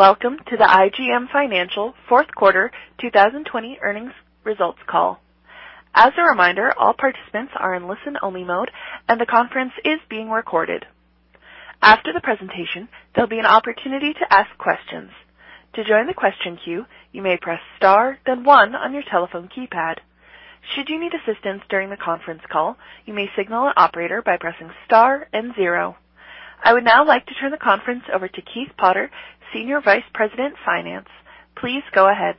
Welcome to the IGM Financial fourth quarter 2020 earnings results call. As a reminder, all participants are in listen-only mode, and the conference is being recorded. After the presentation, there'll be an opportunity to ask questions. To join the question queue, you may press star, then one on your telephone keypad. Should you need assistance during the conference call, you may signal an operator by pressing star and zero. I would now like to turn the conference over to Keith Potter, Senior Vice President, Finance. Please go ahead.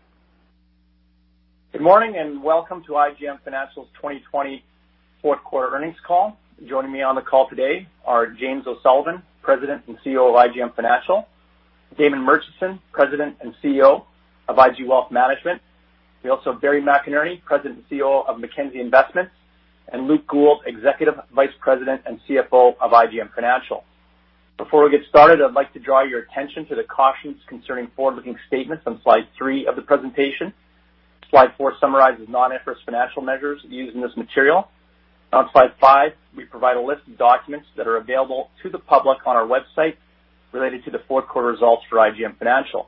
Good morning, and welcome to IGM Financial's 2020 fourth quarter earnings call. Joining me on the call today are James O'Sullivan, President and CEO of IGM Financial, Damon Murchison, President and CEO of IG Wealth Management. We also have Barry McInerney, President and CEO of Mackenzie Investments, and Luke Gould, Executive Vice President and CFO of IGM Financial. Before we get started, I'd like to draw your attention to the cautions concerning forward-looking statements on slide three of the presentation. Slide four summarizes non-IFRS financial measures used in this material. On slide five, we provide a list of documents that are available to the public on our website related to the fourth quarter results for IGM Financial.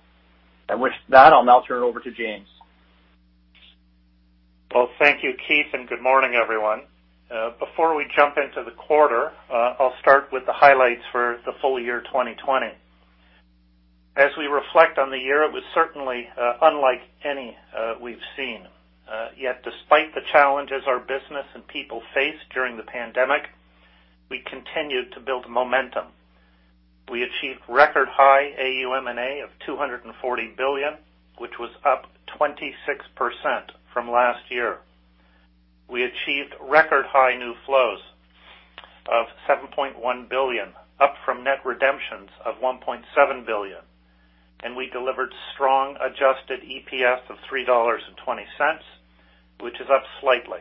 With that, I'll now turn it over to James. Well, thank you, Keith, and good morning, everyone. Before we jump into the quarter, I'll start with the highlights for the full year 2020. As we reflect on the year, it was certainly unlike any we've seen. Yet despite the challenges our business and people faced during the pandemic, we continued to build momentum. We achieved record-high AUM&A of 240 billion, which was up 26% from last year. We achieved record-high new flows of 7.1 billion, up from net redemptions of 1.7 billion, and we delivered strong adjusted EPS of 3.20 dollars, which is up slightly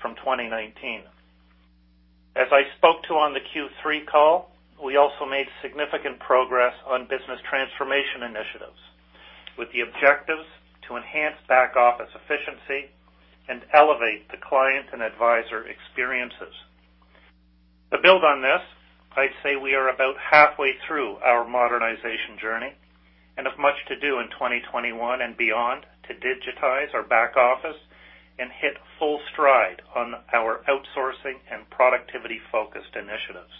from 2019. As I spoke to on the Q3 call, we also made significant progress on business transformation initiatives, with the objectives to enhance back office efficiency and elevate the client and advisor experiences. To build on this, I'd say we are about halfway through our modernization journey and have much to do in 2021 and beyond to digitize our back office and hit full stride on our outsourcing and productivity-focused initiatives.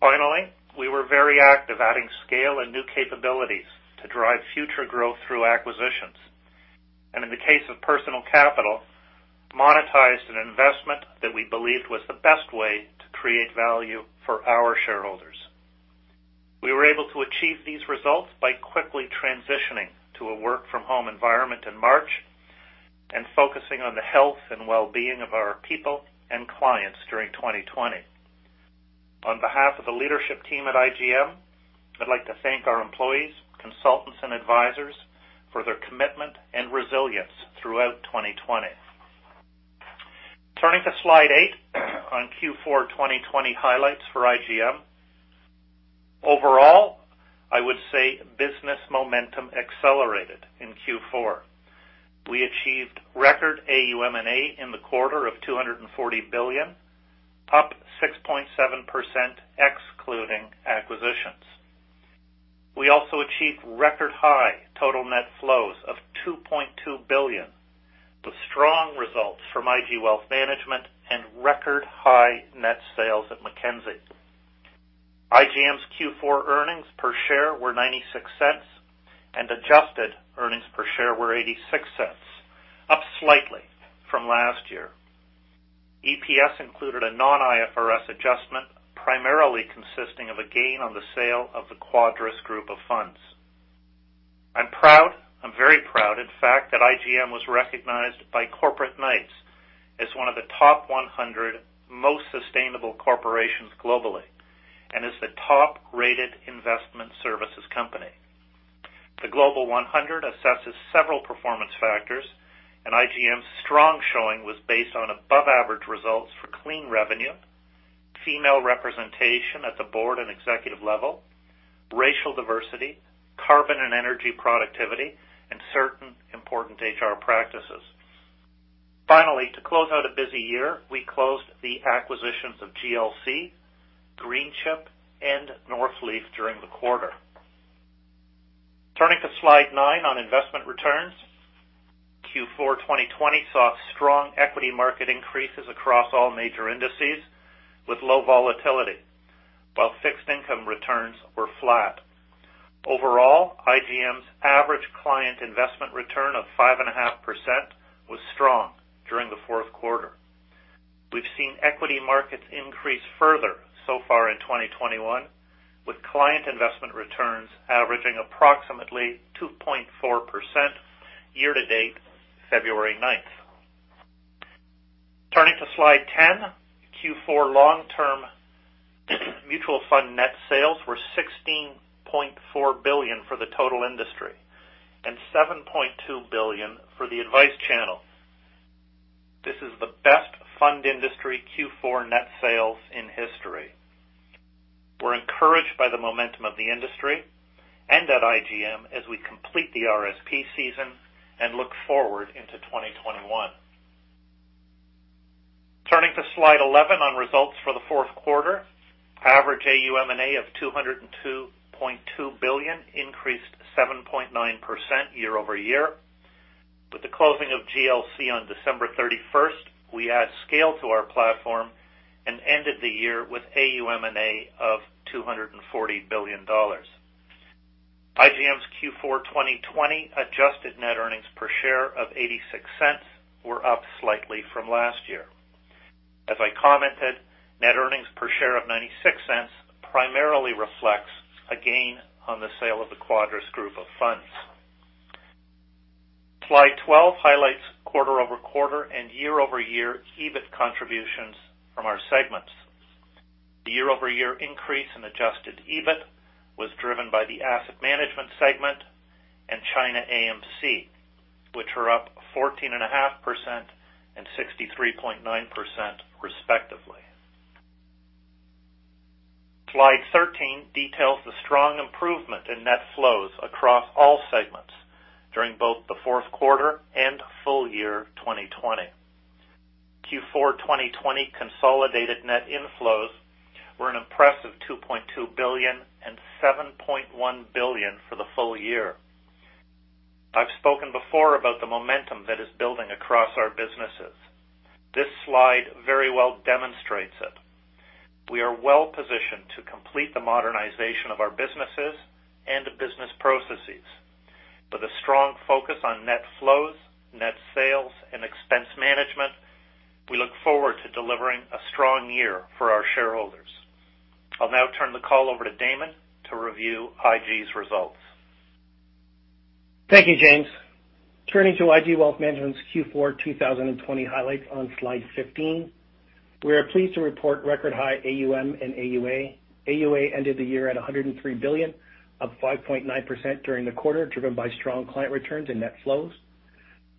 Finally, we were very active adding scale and new capabilities to drive future growth through acquisitions, and in the case of Personal Capital, monetized an investment that we believed was the best way to create value for our shareholders. We were able to achieve these results by quickly transitioning to a work-from-home environment in March and focusing on the health and wellbeing of our people and clients during 2020. On behalf of the leadership team at IGM, I'd like to thank our employees, consultants, and advisors for their commitment and resilience throughout 2020. Turning to slide eight on Q4 2020 highlights for IGM. Overall, I would say business momentum accelerated in Q4. We achieved record AUM&A in the quarter of 240 billion, up 6.7%, excluding acquisitions. We also achieved record-high total net flows of 2.2 billion, with strong results from IG Wealth Management and record-high net sales at Mackenzie. IGM's Q4 earnings per share were 0.96, and adjusted earnings per share were 0.86, up slightly from last year. EPS included a non-IFRS adjustment, primarily consisting of a gain on the sale of the Quadrus Group of Funds. I'm proud, I'm very proud, in fact, that IGM was recognized by Corporate Knights as one of the top 100 most sustainable corporations globally and as the top-rated investment services company. The Global 100 assesses several performance factors, and IGM's strong showing was based on above-average results for clean revenue, female representation at the board and executive level, racial diversity, carbon and energy productivity, and certain important HR practices. Finally, to close out a busy year, we closed the acquisitions of GLC, Greenchip, and Northleaf during the quarter. Turning to slide nine on investment returns. Q4 2020 saw strong equity market increases across all major indices with low volatility, while fixed income returns were flat. Overall, IGM's average client investment return of 5.5% was strong during the fourth quarter. We've seen equity markets increase further so far in 2021, with client investment returns averaging approximately 2.4% year-to-date, February 9th. Turning to slide 10. Q4 long-term mutual fund net sales were 16.4 billion for the total industry and 7.2 billion for the advice channel. This is the best fund industry Q4 net sales in history. We're encouraged by the momentum of the industry and at IGM as we complete the RSP season and look forward into 2021. Slide 11 on results for the fourth quarter. Average AUM&A of 202.2 billion increased 7.9% year-over-year. With the closing of GLC on December 31, we add scale to our platform and ended the year with AUM&A of 240 billion dollars. IGM's Q4 2020 adjusted net earnings per share of 0.86 were up slightly from last year. As I commented, net earnings per share of 0.96 primarily reflects a gain on the sale of the Quadrus Group of Funds. Slide 12 highlights quarter-over-quarter and year-over-year EBIT contributions from our segments. The year-over-year increase in adjusted EBIT was driven by the asset management segment and ChinaAMC, which were up 14.5% and 63.9% respectively. Slide 13 details the strong improvement in net flows across all segments during both the fourth quarter and full year 2020. Q4 2020 consolidated net inflows were an impressive 2.2 billion and 7.1 billion for the full year. I've spoken before about the momentum that is building across our businesses. This slide very well demonstrates it. We are well positioned to complete the modernization of our businesses and business processes. With a strong focus on net flows, net sales, and expense management, we look forward to delivering a strong year for our shareholders. I'll now turn the call over to Damon to review IG's results. Thank you, James. Turning to IG Wealth Management's Q4 2020 highlights on slide 15. We are pleased to report record high AUM and AUA. AUA ended the year at 103 billion, up 5.9% during the quarter, driven by strong client returns and net flows.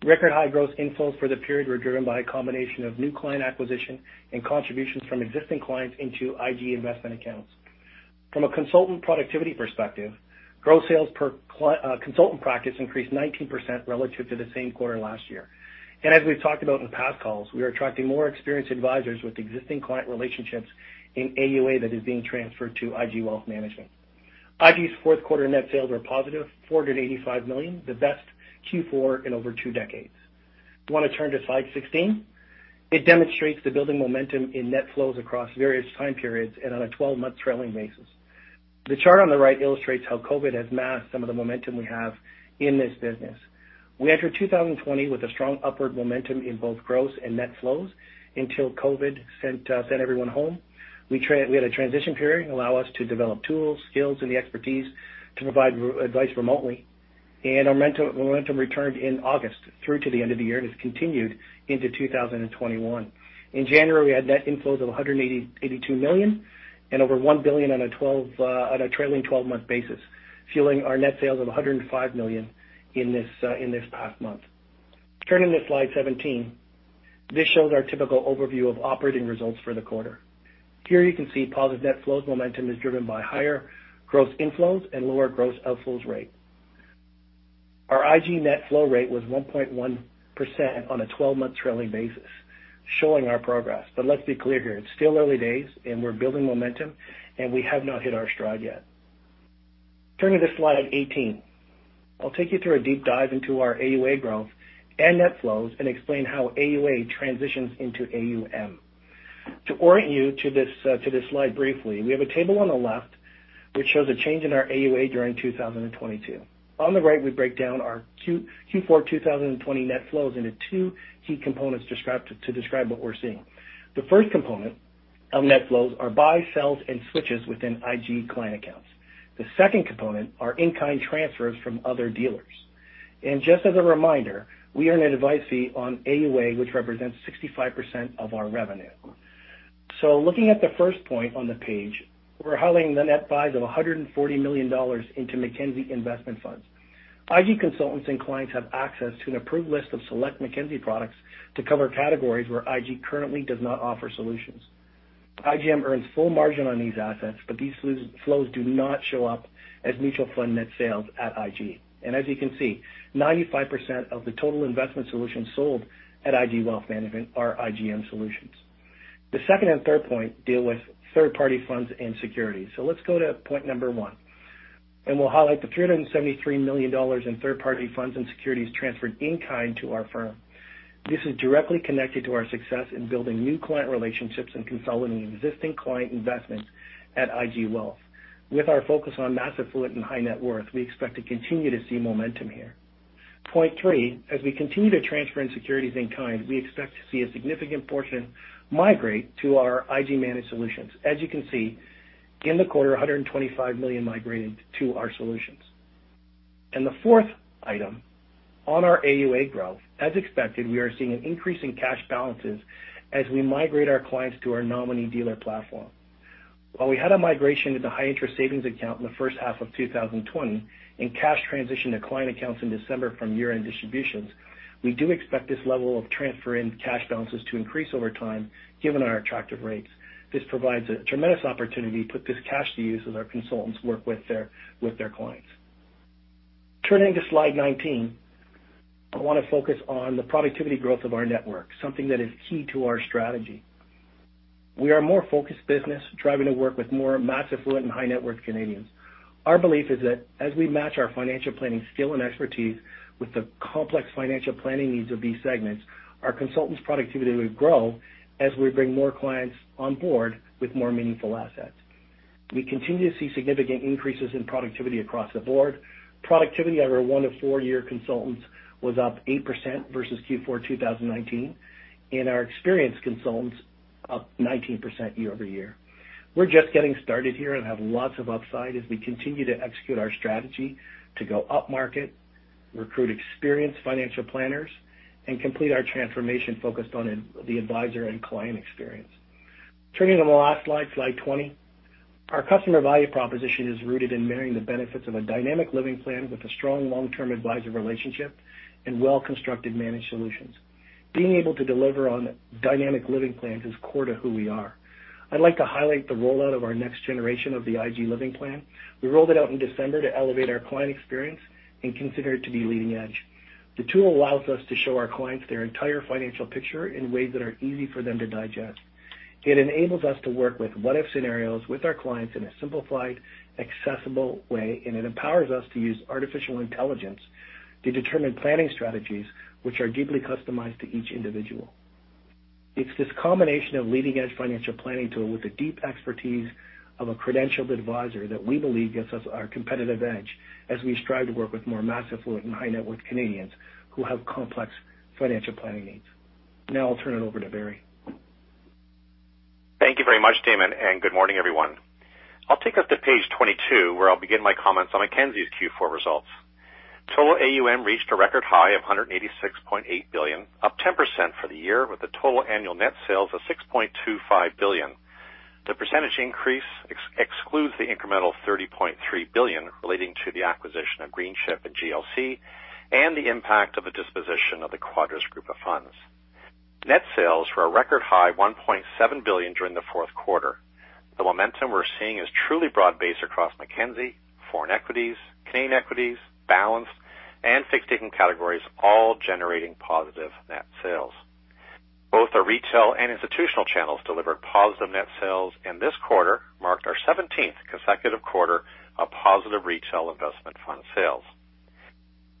Record high growth inflows for the period were driven by a combination of new client acquisition and contributions from existing clients into IG investment accounts. From a consultant productivity perspective, gross sales per consultant practice increased 19% relative to the same quarter last year. And as we've talked about in past calls, we are attracting more experienced advisors with existing client relationships in AUA that is being transferred to IG Wealth Management. IG's fourth quarter net sales were positive 485 million, the best Q4 in over two decades. I want to turn to slide 16. It demonstrates the building momentum in net flows across various time periods and on a 12-month trailing basis. The chart on the right illustrates how COVID has masked some of the momentum we have in this business. We entered 2020 with a strong upward momentum in both gross and net flows until COVID sent everyone home. We had a transition period, allow us to develop tools, skills, and the expertise to provide advice remotely, and our momentum returned in August through to the end of the year and has continued into 2021. In January, we had net inflows of 182 million, and over 1 billion on a twelve, on a trailing 12-month basis, fueling our net sales of 105 million in this, in this past month. Turning to slide 17, this shows our typical overview of operating results for the quarter. Here, you can see positive net flows momentum is driven by higher gross inflows and lower gross outflows rate. Our IG net flow rate was 1.1% on a 12-month trailing basis, showing our progress. But let's be clear here, it's still early days, and we're building momentum, and we have not hit our stride yet. Turning to slide 18. I'll take you through a deep dive into our AUA growth and net flows and explain how AUA transitions into AUM. To orient you to this slide briefly, we have a table on the left which shows a change in our AUA during 2022. On the right, we break down our Q4 2020 net flows into two key components to describe what we're seeing. The first component of net flows are buys, sells, and switches within IG client accounts. The second component are in-kind transfers from other dealers. And just as a reminder, we earn an advice fee on AUA, which represents 65% of our revenue. So looking at the first point on the page, we're highlighting the net buys of 140 million dollars into Mackenzie Investment Funds. IG consultants and clients have access to an approved list of select Mackenzie products to cover categories where IG currently does not offer solutions. IGM earns full margin on these assets, but these low flows do not show up as mutual fund net sales at IG. As you can see, 95% of the total investment solutions sold at IG Wealth Management are IGM solutions. The second and third point deal with third-party funds and securities. Let's go to point number one, and we'll highlight the 373 million dollars in third-party funds and securities transferred in kind to our firm. This is directly connected to our success in building new client relationships and consolidating existing client investments at IG Wealth. With our focus on mass affluent and high-net-worth, we expect to continue to see momentum here. Point three, as we continue to transfer in securities in kind, we expect to see a significant portion migrate to our IG managed solutions. As you can see, in the quarter, 125 million migrated to our solutions. The fourth item on our AUA growth, as expected, we are seeing an increase in cash balances as we migrate our clients to our nominee dealer platform. While we had a migration with a high interest savings account in the first half of 2020, and cash transitioned to client accounts in December from year-end distributions, we do expect this level of transfer in cash balances to increase over time, given our attractive rates. This provides a tremendous opportunity to put this cash to use as our consultants work with their, with their clients. Turning to slide 19, I want to focus on the productivity growth of our network, something that is key to our strategy. We are a more focused business, striving to work with more mass affluent and high-net-worth Canadians. Our belief is that as we match our financial planning skill and expertise with the complex financial planning needs of these segments, our consultants' productivity will grow as we bring more clients on board with more meaningful assets. We continue to see significant increases in productivity across the board. Productivity of our one- to four-year consultants was up 8% versus Q4 2019, and our experienced consultants up 19% year-over-year. We're just getting started here and have lots of upside as we continue to execute our strategy to go upmarket, recruit experienced financial planners, and complete our transformation focused on and the advisor and client experience. Turning to the last slide, slide 20. Our customer value proposition is rooted in marrying the benefits of a dynamic living plan with a strong long-term advisor relationship and well-constructed managed solutions. Being able to deliver on dynamic living plans is core to who we are. I'd like to highlight the rollout of our next generation of the IG Living Plan. We rolled it out in December to elevate our client experience and consider it to be leading edge. The tool allows us to show our clients their entire financial picture in ways that are easy for them to digest. It enables us to work with what-if scenarios with our clients in a simplified, accessible way, and it empowers us to use artificial intelligence to determine planning strategies which are deeply customized to each individual. It's this combination of leading-edge financial planning tool with the deep expertise of a credentialed advisor that we believe gives us our competitive edge as we strive to work with more mass affluent and high-net-worth Canadians who have complex financial planning needs. Now I'll turn it over to Barry. Thank you very much, Damon, and good morning, everyone. I'll take us to page 22, where I'll begin my comments on Mackenzie's Q4 results. Total AUM reached a record high of 186.8 billion, up 10% for the year, with a total annual net sales of 6.25 billion. The percentage increase excludes the incremental 30.3 billion relating to the acquisition of Greenchip and GLC and the impact of the disposition of the Quadrus Group of Funds. Net sales were a record high 1.7 billion during the fourth quarter. The momentum we're seeing is truly broad-based across Mackenzie, foreign equities, Canadian equities, balanced, and fixed income categories, all generating positive net sales. Both our retail and institutional channels delivered positive net sales, and this quarter marked our 17th consecutive quarter of positive retail investment fund sales.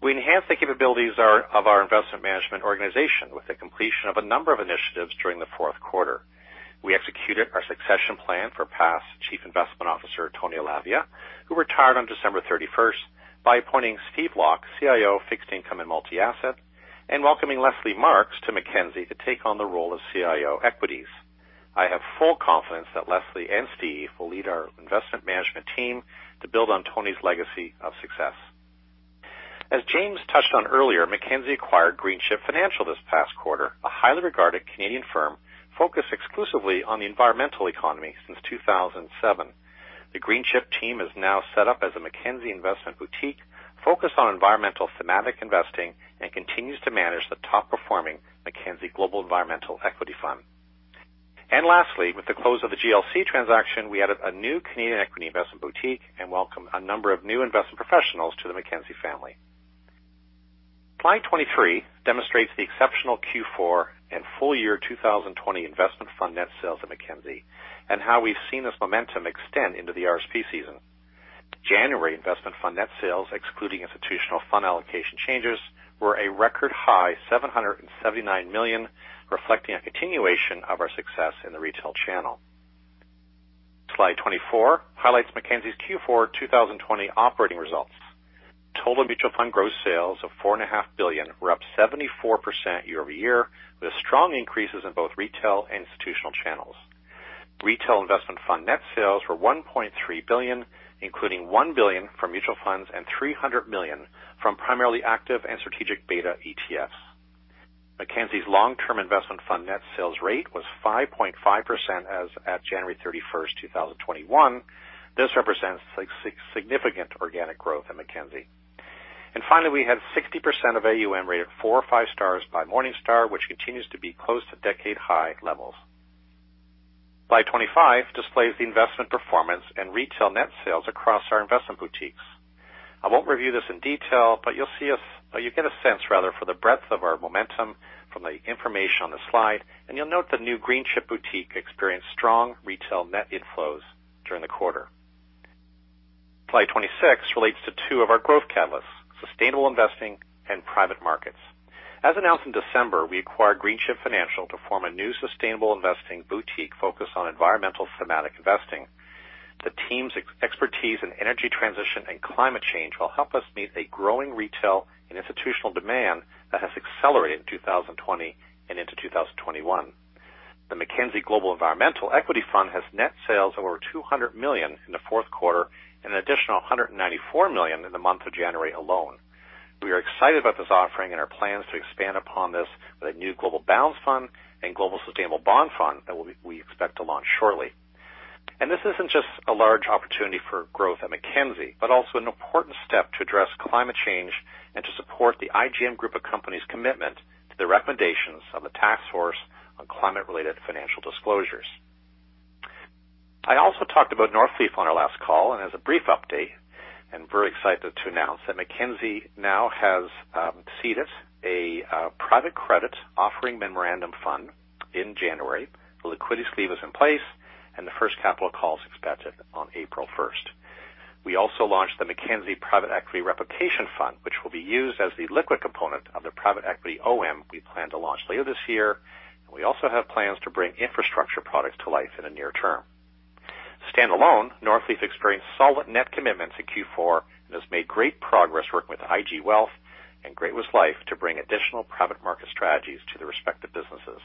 We enhanced the capabilities of our investment management organization with the completion of a number of initiatives during the fourth quarter. We executed our succession plan for past Chief Investment Officer, Tony Elavia, who retired on December 31st, by appointing Steve Locke, CIO of Fixed Income and Multi-Asset, and welcoming Lesley Marks to Mackenzie to take on the role of CIO Equities. I have full confidence that Lesley and Steve will lead our investment management team to build on Tony's legacy of success. As James touched on earlier, Mackenzie acquired Greenchip Financial this past quarter, a highly regarded Canadian firm focused exclusively on the environmental economy since 2007. The Greenchip team is now set up as a Mackenzie investment boutique focused on environmental thematic investing and continues to manage the top-performing Mackenzie Global Environmental Equity Fund. Lastly, with the close of the GLC transaction, we added a new Canadian equity investment boutique and welcomed a number of new investment professionals to the Mackenzie family. Slide 23 demonstrates the exceptional Q4 and full year 2020 investment fund net sales at Mackenzie, and how we've seen this momentum extend into the RSP season. January investment fund net sales, excluding institutional fund allocation changes, were a record high 779 million, reflecting a continuation of our success in the retail channel. Slide 24 highlights Mackenzie's Q4 2020 operating results. Total mutual fund gross sales of 4.5 billion were up 74% year-over-year, with strong increases in both retail and institutional channels. Retail investment fund net sales were CAD 1.3 billion, including CAD 1 billion from mutual funds and CAD 300 million from primarily active and strategic-beta ETFs. Mackenzie's long-term investment fund net sales rate was 5.5% as at January 31st, 2021. This represents significant organic growth in Mackenzie. Finally, we had 60% of AUM rated four or five stars by Morningstar, which continues to be close to decade-high levels. Slide 25 displays the investment performance and retail net sales across our investment boutiques. I won't review this in detail, but you'll see you get a sense, rather, for the breadth of our momentum from the information on the slide, and you'll note the new Greenchip boutique experienced strong retail net inflows during the quarter. Slide 26 relates to two of our growth catalysts, sustainable investing and private markets. As announced in December, we acquired Greenchip Financial to form a new sustainable investing boutique focused on environmental thematic investing. The team's expertise in energy transition and climate change will help us meet a growing retail and institutional demand that has accelerated in 2020 and into 2021. The Mackenzie Global Environmental Equity Fund has net sales of over 200 million in the fourth quarter and an additional 194 million in the month of January alone. We are excited about this offering and our plans to expand upon this with a new global balanced fund and global sustainable bond fund that we expect to launch shortly. This isn't just a large opportunity for growth at Mackenzie, but also an important step to address climate change and to support the IGM group of companies' commitment to the recommendations of the Task Force on Climate-related Financial Disclosures. We talked about Northleaf on our last call, and as a brief update, I'm very excited to announce that Mackenzie now has seeded a private credit offering memorandum fund in January. The liquidity sleeve is in place, and the first capital call is expected on April 1st. We also launched the Mackenzie Private Equity Replication Fund, which will be used as the liquid component of the private equity OM we plan to launch later this year, and we also have plans to bring infrastructure products to life in the near term. Standalone, Northleaf experienced solid net commitments in Q4 and has made great progress working with IG Wealth and Great-West Life to bring additional private market strategies to the respective businesses.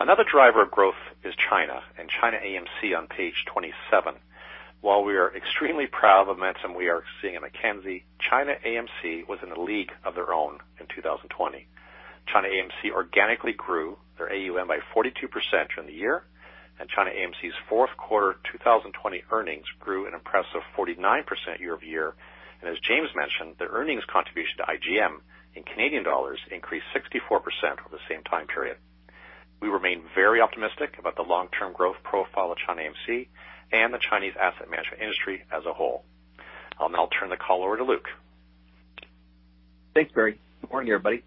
Another driver of growth is China and ChinaAMC on page 27. While we are extremely proud of the momentum we are seeing in Mackenzie, ChinaAMC was in a league of their own in 2020. ChinaAMC organically grew their AUM by 42% during the year, and ChinaAMC's fourth quarter 2020 earnings grew an impressive 49% year-over-year. And as James mentioned, their earnings contribution to IGM in Canadian dollars increased 64% over the same time period. We remain very optimistic about the long-term growth profile of ChinaAMC and the Chinese asset management industry as a whole. Now I'll turn the call over to Luke. Thanks, Barry. Good morning, everybody.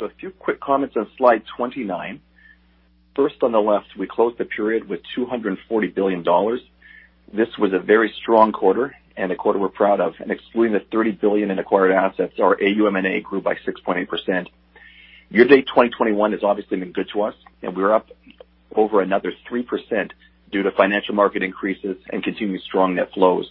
So a few quick comments on slide 29. First, on the left, we closed the period with 240 billion dollars. This was a very strong quarter and a quarter we're proud of, and excluding the 30 billion in acquired assets, our AUM&A grew by 6.8%. Year-to-date, 2021 has obviously been good to us, and we're up over another 3% due to financial market increases and continued strong net flows.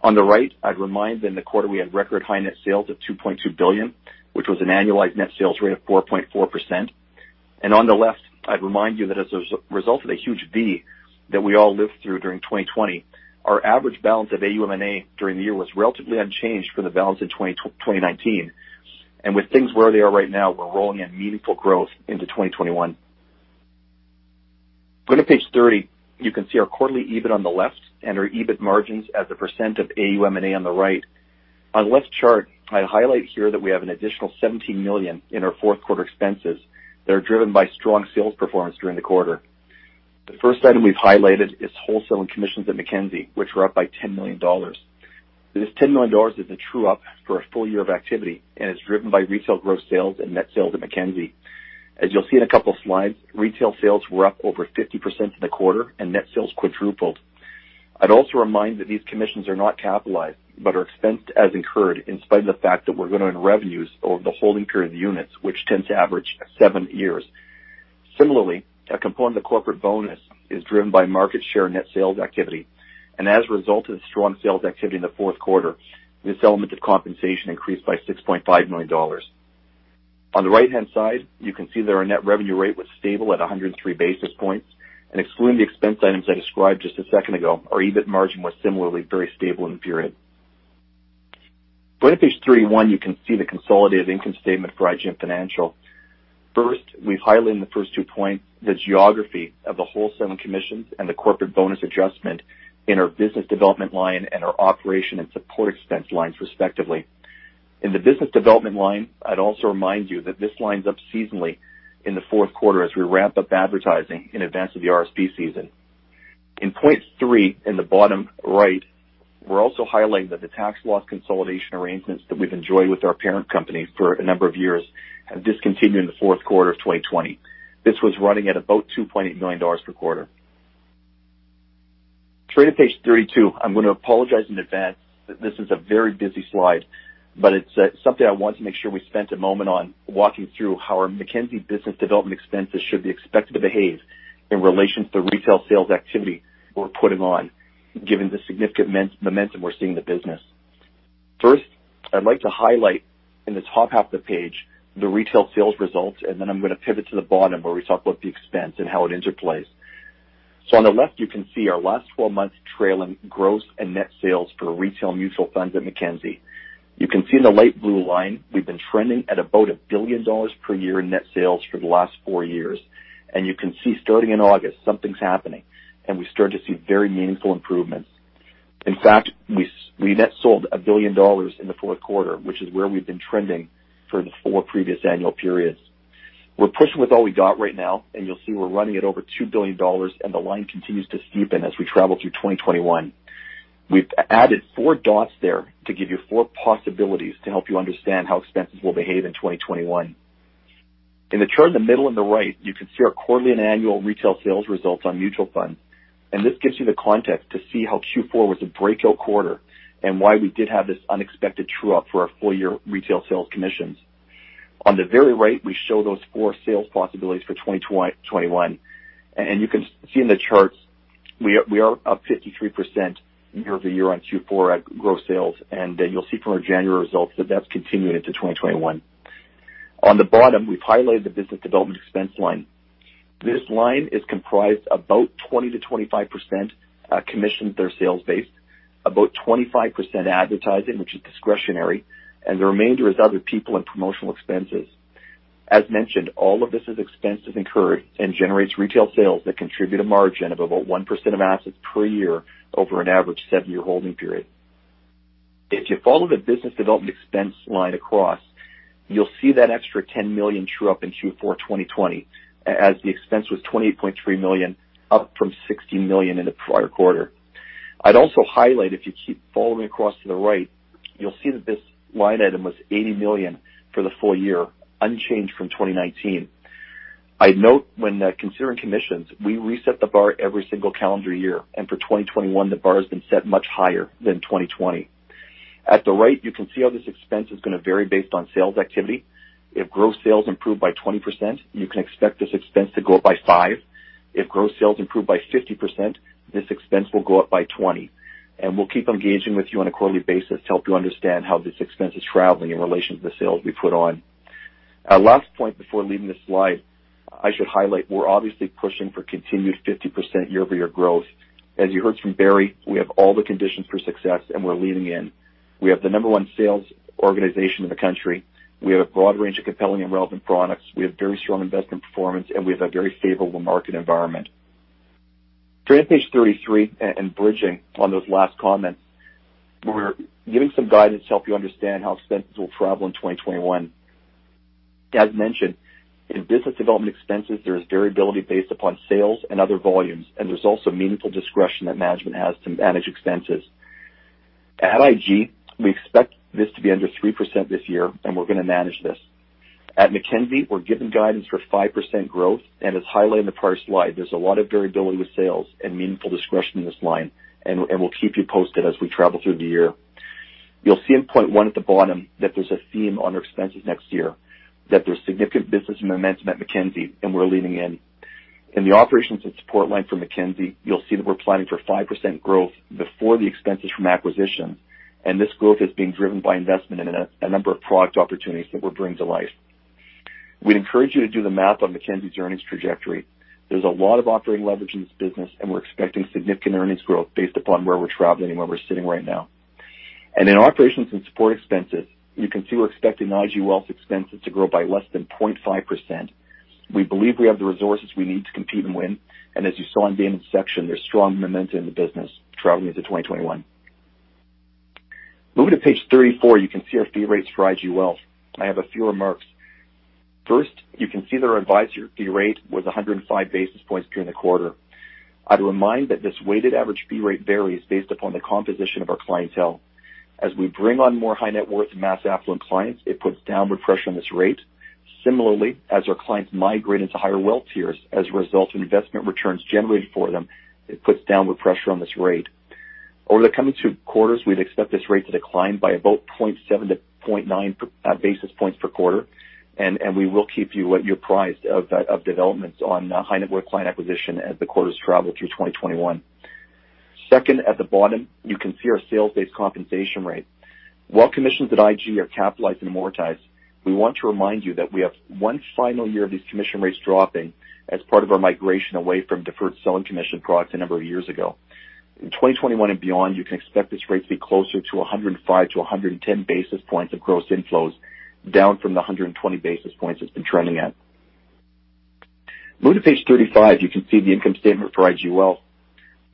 On the right, I'd remind that in the quarter, we had record high net sales of 2.2 billion, which was an annualized net sales rate of 4.4%. On the left, I'd remind you that as a result of the huge V that we all lived through during 2020, our average balance of AUM&A during the year was relatively unchanged from the balance in 2019. With things where they are right now, we're rolling in meaningful growth into 2021. Going to page 30, you can see our quarterly EBIT on the left and our EBIT margins as a percent of AUM&A on the right. On the left chart, I'd highlight here that we have an additional 17 million in our fourth quarter expenses that are driven by strong sales performance during the quarter. The first item we've highlighted is wholesale and commissions at Mackenzie, which were up by 10 million dollars. This 10 million dollars is a true up for a full year of activity and is driven by retail gross sales and net sales at Mackenzie. As you'll see in a couple of slides, retail sales were up over 50% in the quarter and net sales quadrupled. I'd also remind that these commissions are not capitalized, but are expensed as incurred, in spite of the fact that we're going to earn revenues over the holding period of the units, which tends to average seven years. Similarly, a component of corporate bonus is driven by market share net sales activity, and as a result of the strong sales activity in the fourth quarter, this element of compensation increased by 6.5 million dollars. On the right-hand side, you can see that our net revenue rate was stable at 103 basis points, and excluding the expense items I described just a second ago, our EBIT margin was similarly very stable in the period. Going to page 31, you can see the consolidated income statement for IGM Financial. First, we've highlighted in the first two points, the geography of the wholesale and commissions and the corporate bonus adjustment in our business development line and our operation and support expense lines, respectively. In the business development line, I'd also remind you that this lines up seasonally in the fourth quarter as we ramp up advertising in advance of the RSP season. In point three, in the bottom right, we're also highlighting that the tax loss consolidation arrangements that we've enjoyed with our parent company for a number of years have discontinued in the fourth quarter of 2020. This was running at about 2.8 million dollars per quarter. Turning to page 32, I'm going to apologize in advance that this is a very busy slide, but it's something I wanted to make sure we spent a moment on walking through how our Mackenzie business development expenses should be expected to behave in relation to the retail sales activity we're putting on, given the significant momentum we're seeing in the business. First, I'd like to highlight in the top half of the page, the retail sales results, and then I'm going to pivot to the bottom, where we talk about the expense and how it interplays. So on the left, you can see our last 12-month trailing gross and net sales for retail mutual funds at Mackenzie. You can see in the light blue line, we've been trending at about 1 billion dollars per year in net sales for the last four years. And you can see starting in August, something's happening, and we start to see very meaningful improvements. In fact, we net sold 1 billion dollars in the fourth quarter, which is where we've been trending for the four previous annual periods. We're pushing with all we got right now, and you'll see we're running at over 2 billion dollars, and the line continues to steepen as we travel through 2021. We've added four dots there to give you four possibilities to help you understand how expenses will behave in 2021. In the chart in the middle and the right, you can see our quarterly and annual retail sales results on mutual funds. This gives you the context to see how Q4 was a breakout quarter and why we did have this unexpected true up for our full year retail sales commissions. On the very right, we show those four sales possibilities for 2021, and you can see in the charts we are up 53% year-over-year on Q4 at gross sales, and then you'll see from our January results that that's continued into 2021. On the bottom, we've highlighted the business development expense line. This line is comprised of about 20%-25% commission of their sales base, about 25% advertising, which is discretionary, and the remainder is other people and promotional expenses. As mentioned, all of this is expenses incurred and generates retail sales that contribute a margin of about 1% of assets per year over an average seven-year holding period. If you follow the business development expense line across, you'll see that extra 10 million true up in Q4 2020, as the expense was 28.3 million, up from 16 million in the prior quarter. I'd also highlight, if you keep following across to the right, you'll see that this line item was 80 million for the full year, unchanged from 2019. I'd note when considering commissions, we reset the bar every single calendar year, and for 2021, the bar has been set much higher than 2020. At the right, you can see how this expense is going to vary based on sales activity. If gross sales improve by 20%, you can expect this expense to go up by five. If gross sales improve by 50%, this expense will go up by 20, and we'll keep engaging with you on a quarterly basis to help you understand how this expense is traveling in relation to the sales we put on. Our last point before leaving this slide, I should highlight, we're obviously pushing for continued 50% year-over-year growth. As you heard from Barry, we have all the conditions for success, and we're leaning in. We have the number one sales organization in the country. We have a broad range of compelling and relevant products. We have very strong investment performance, and we have a very favorable market environment. Turning to page 33, and bridging on those last comments, we're giving some guidance to help you understand how expenses will travel in 2021. As mentioned, in business development expenses, there is variability based upon sales and other volumes, and there's also meaningful discretion that management has to manage expenses. At IG, we expect this to be under 3% this year, and we're going to manage this. At Mackenzie, we're giving guidance for 5% growth, and as highlighted in the prior slide, there's a lot of variability with sales and meaningful discretion in this line, and we'll keep you posted as we travel through the year. You'll see in point one at the bottom, that there's a theme on our expenses next year, that there's significant business and momentum at Mackenzie, and we're leaning in. In the operations and support line for Mackenzie, you'll see that we're planning for 5% growth before the expenses from acquisition, and this growth is being driven by investment in a number of product opportunities that we're bringing to life. We'd encourage you to do the math on Mackenzie's earnings trajectory. There's a lot of operating leverage in this business, and we're expecting significant earnings growth based upon where we're traveling and where we're sitting right now. In operations and support expenses, you can see we're expecting IG Wealth expenses to grow by less than 0.5%. We believe we have the resources we need to compete and win, and as you saw in Damon's section, there's strong momentum in the business traveling into 2021. Moving to page 34, you can see our fee rates for IG Wealth. I have a few remarks. First, you can see that our advisory fee rate was 105 basis points during the quarter. I'd remind that this weighted average fee rate varies based upon the composition of our clientele. As we bring on more high net worth and mass affluent clients, it puts downward pressure on this rate. Similarly, as our clients migrate into higher wealth tiers as a result of investment returns generated for them, it puts downward pressure on this rate. Over the coming two quarters, we'd expect this rate to decline by about 0.7-0.9 basis points per quarter, and we will keep you apprised of the, of developments on, high net worth client acquisition as the quarters travel through 2021. Second, at the bottom, you can see our sales-based compensation rate. While commissions at IG are capitalized and amortized, we want to remind you that we have one final year of these commission rates dropping as part of our migration away from deferred selling commission products a number of years ago. In 2021 and beyond, you can expect this rate to be closer to 105-110 basis points of gross inflows, down from the 120 basis points it's been trending at. Moving to page 35, you can see the income statement for IG Wealth.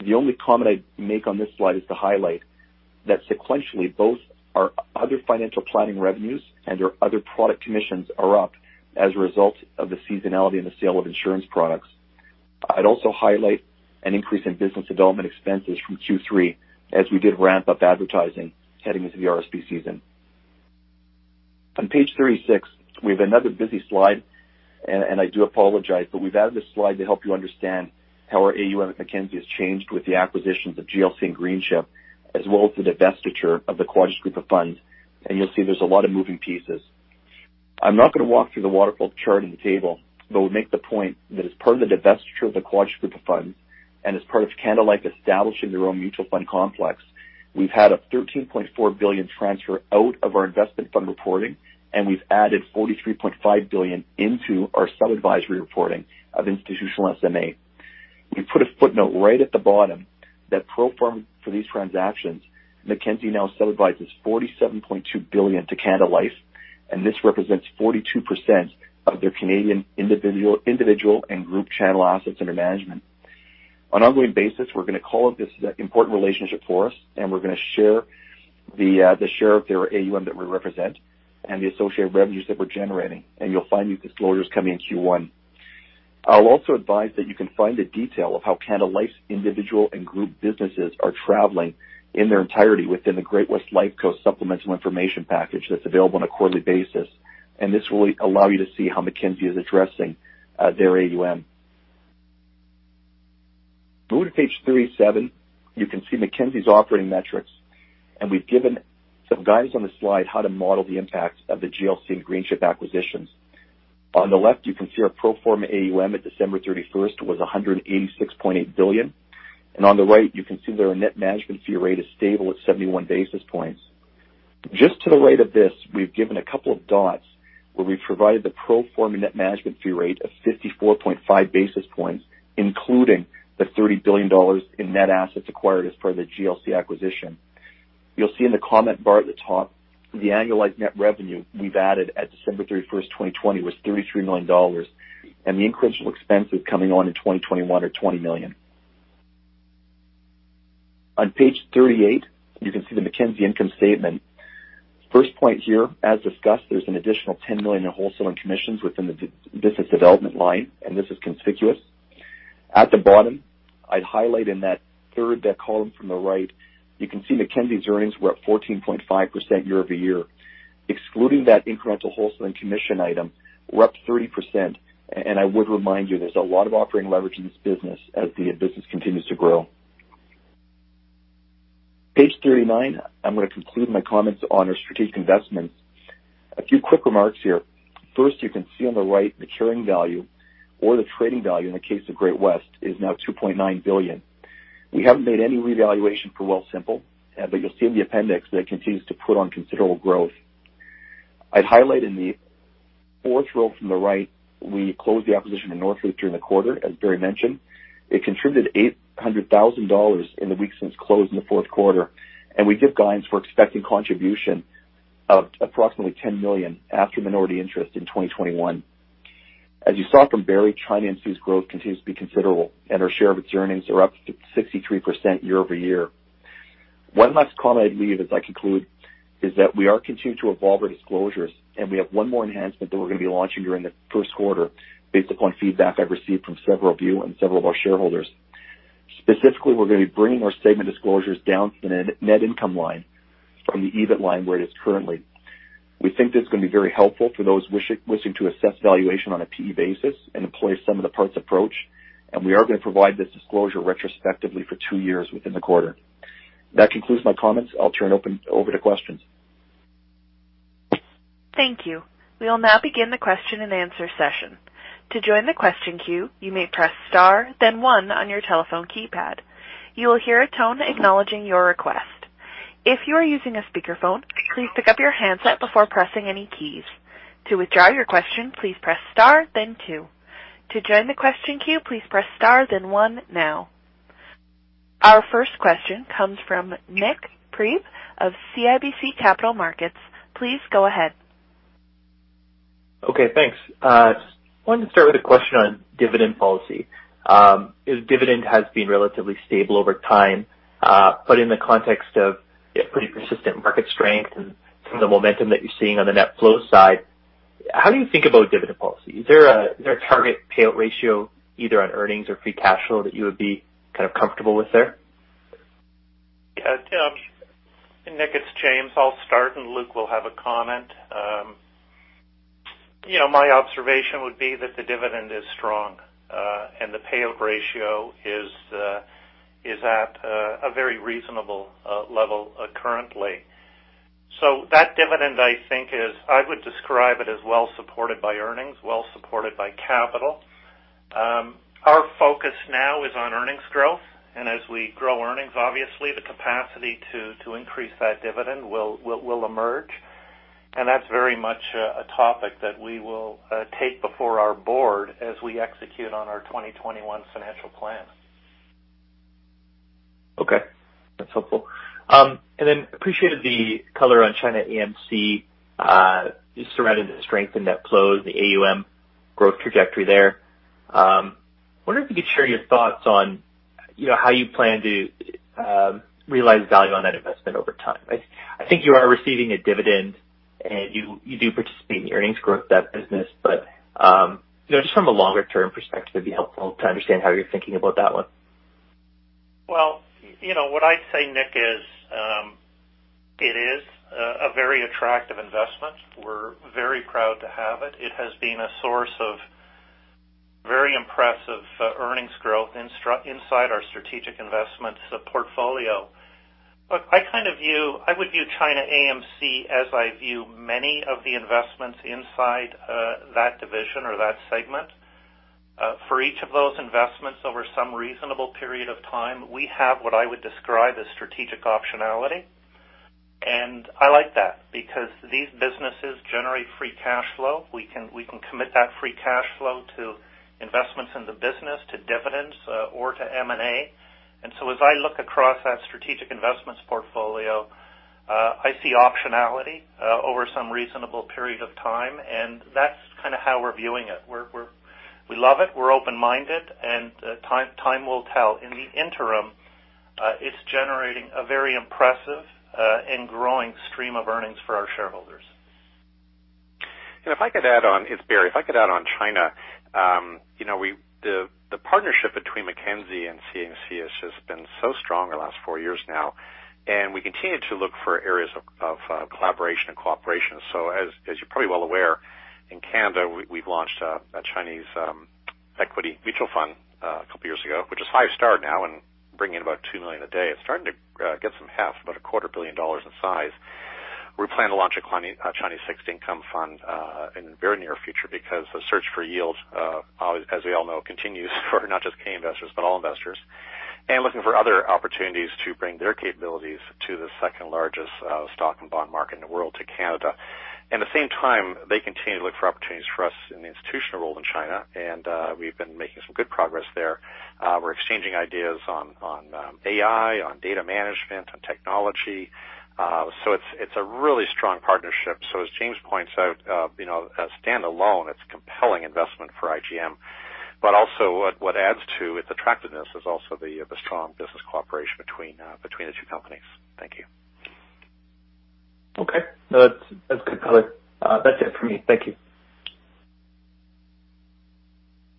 The only comment I'd make on this slide is to highlight that sequentially, both our other financial planning revenues and our other product commissions are up as a result of the seasonality and the sale of insurance products. I'd also highlight an increase in business development expenses from Q3 as we did ramp up advertising heading into the RSP season. On page 36, we have another busy slide, and I do apologize, but we've added this slide to help you understand how our AUM at Mackenzie has changed with the acquisitions of GLC and Greenchip, as well as the divestiture of the Quadrus Group of Funds, and you'll see there's a lot of moving pieces. I'm not going to walk through the waterfall chart in the table, but we'll make the point that as part of the divestiture of the Quadrus Group of Funds, and as part of Canada Life establishing their own mutual fund complex, we've had a 13.4 billion transfer out of our investment fund reporting, and we've added 43.5 billion into our sub-advisory reporting of institutional SMA. We put a footnote right at the bottom that pro forma for these transactions, Mackenzie now sub-advises 47.2 billion to Canada Life, and this represents 42% of their Canadian individual, individual and group channel assets under management. On an ongoing basis, we're going to call up this important relationship for us, and we're going to share the, the share of their AUM that we represent and the associated revenues that we're generating, and you'll find these disclosures coming in Q1. I'll also advise that you can find the detail of how Canada Life's individual and group businesses are traveling in their entirety within the Great-West Lifeco supplemental information package that's available on a quarterly basis, and this will allow you to see how Mackenzie is addressing, their AUM. Moving to page 37, you can see Mackenzie's operating metrics, and we've given some guidance on this slide, how to model the impact of the GLC and Greenchip acquisitions. On the left, you can see our pro forma AUM at December 31 was 186.8 billion, and on the right, you can see their net management fee rate is stable at 71 basis points. Just to the right of this, we've given a couple of dots where we've provided the pro forma net management fee rate of 54.5 basis points, including the 30 billion dollars in net assets acquired as part of the GLC acquisition. You'll see in the comment bar at the top, the annualized net revenue we've added at December 31, 2020, was 33 million dollars, and the incremental expenses coming on in 2021 are 20 million. On page 38, you can see the Mackenzie income statement. First point here, as discussed, there's an additional 10 million in wholesale and commissions within the d- business development line, and this is conspicuous. At the bottom, I'd highlight in that third column from the right, you can see Mackenzie's earnings were up 14.5% year-over-year. Excluding that incremental wholesale and commission item, we're up 30%, and I would remind you, there's a lot of operating leverage in this business as the business continues to grow. Page 39, I'm going to conclude my comments on our strategic investments. A few quick remarks here. First, you can see on the right, the carrying value or the trading value in the case of Great-West, is now 2.9 billion. We haven't made any revaluation for Wealthsimple, but you'll see in the appendix that it continues to put on considerable growth. I'd highlight in the fourth row from the right, we closed the acquisition of Northleaf during the quarter, as Barry mentioned. It contributed 800,000 dollars in the weeks since close in the fourth quarter, and we give guidance for expecting contribution of approximately 10 million after minority interest in 2021. As you saw from Barry, ChinaAMC's growth continues to be considerable, and our share of its earnings are up 63% year over year. One last comment I'd leave as I conclude, is that we are continuing to evolve our disclosures, and we have one more enhancement that we're going to be launching during the first quarter based upon feedback I've received from several of you and several of our shareholders. Specifically, we're going to be bringing our statement disclosures down to the net, net income line from the EBIT line, where it is currently. We think this is going to be very helpful for those wishing, wishing to assess valuation on a P/E basis and employ sum-of-the-parts approach. And we are going to provide this disclosure retrospectively for two years within the quarter. That concludes my comments. I'll turn it over to questions. Thank you. We'll now begin the question and answer session. To join the question queue, you may press star, then one on your telephone keypad. You will hear a tone acknowledging your request. If you are using a speakerphone, please pick up your handset before pressing any keys. To withdraw your question, please press star, then two. To join the question queue, please press star, then one now. Our first question comes from Nik Priebe of CIBC Capital Markets. Please go ahead. Okay, thanks. Wanted to start with a question on dividend policy. Your dividend has been relatively stable over time, but in the context of pretty consistent market strength and some of the momentum that you're seeing on the net flow side, how do you think about dividend policy? Is there a target payout ratio, either on earnings or free cash flow, that you would be kind of comfortable with there? Yeah, Tim. Nik, it's James. I'll start, and Luke will have a comment. You know, my observation would be that the dividend is strong, and the payout ratio is at a very reasonable level currently. So that dividend, I think, is... I would describe it as well supported by earnings, well supported by capital. Our focus now is on earnings growth, and as we grow earnings, obviously, the capacity to increase that dividend will, will, will emerge, and that's very much a topic that we will take before our board as we execute on our 2021 financial plan. Okay, that's helpful. And then appreciated the color on ChinaAMC, just surrounding the strength in net flows, the AUM growth trajectory there. I wonder if you could share your thoughts on, you know, how you plan to realize value on that investment over time. I think you are receiving a dividend, and you do participate in the earnings growth of that business, but, you know, just from a longer term perspective, it'd be helpful to understand how you're thinking about that one. Well, you know, what I'd say, Nik, is, it is a very attractive investment. We're very proud to have it. It has been a source of very impressive earnings growth inside our strategic investments portfolio. Look, I kind of view I would view ChinaAMC as I view many of the investments inside that division or that segment. For each of those investments, over some reasonable period of time, we have what I would describe as strategic optionality. And I like that, because these businesses generate free cash flow. We can commit that free cash flow to investments in the business, to dividends, or to M&A. And so as I look across that strategic investments portfolio, I see optionality over some reasonable period of time, and that's kind of how we're viewing it. We're—we love it, we're open-minded, and time, time will tell. In the interim, it's generating a very impressive and growing stream of earnings for our shareholders. And if I could add on, it's Barry. If I could add on China. You know, the partnership between Mackenzie and ChinaAMC has just been so strong in the last four years now, and we continue to look for areas of collaboration and cooperation. So as you're probably well aware, in Canada, we've launched a Chinese equity mutual fund a couple of years ago, which is five-star now and bringing in about 2 million a day. It's starting to get about 250 million dollars in size. We plan to launch a Chinese fixed income fund in the very near future because the search for yield, as we all know, continues for not just Canadian investors, but all investors. Looking for other opportunities to bring their capabilities to the second-largest stock and bond market in the world to Canada. At the same time, they continue to look for opportunities for us in the institutional role in China, and we've been making some good progress there. We're exchanging ideas on, on, AI, on data management, on technology. So it's, it's a really strong partnership. So as James points out, you know, as standalone, it's a compelling investment for IGM, but also what, what adds to its attractiveness is also the, the strong business cooperation between, between the two companies. Thank you. ... Okay. No, that's, that's good color. That's it for me. Thank you.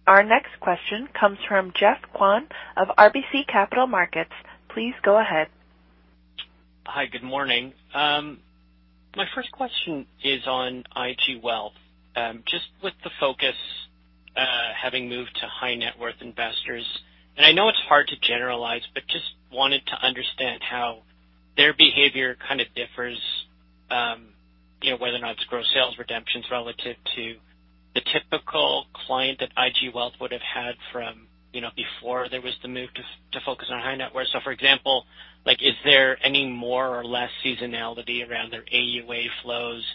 Our next question comes from Geoffrey Kwan of RBC Capital Markets. Please go ahead. Hi, good morning. My first question is on IG Wealth. Just with the focus, having moved to high net worth investors, and I know it's hard to generalize, but just wanted to understand how their behavior kind of differs, you know, whether or not it's gross sales redemptions relative to the typical client that IG Wealth would have had from, you know, before there was the move to, to focus on high net worth. So, for example, like, is there any more or less seasonality around their AUA flows?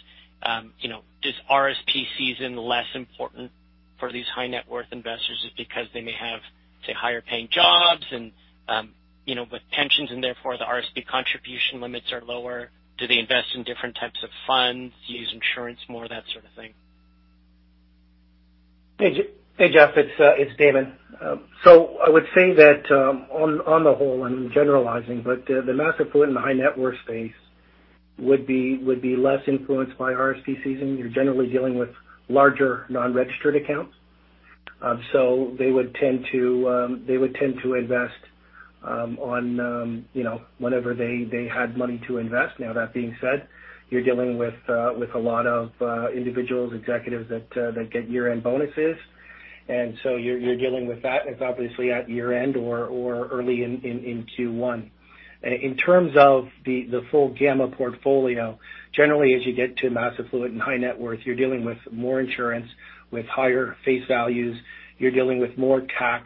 You know, is RSP season less important for these high net worth investors just because they may have, say, higher paying jobs and, you know, with pensions and therefore the RSP contribution limits are lower? Do they invest in different types of funds, use insurance more, that sort of thing? Hey, Jeff, it's Damon. So I would say that, on the whole, I'm generalizing, but the mass affluent in the high net worth space would be less influenced by RSP season. You're generally dealing with larger non-registered accounts. So they would tend to invest, you know, whenever they had money to invest. Now, that being said, you're dealing with a lot of individuals, executives that get year-end bonuses, and so you're dealing with that, and it's obviously at year-end or early in Q1. In terms of the full gamma portfolio, generally, as you get to mass affluent and high net worth, you're dealing with more insurance, with higher face values. You're dealing with more tax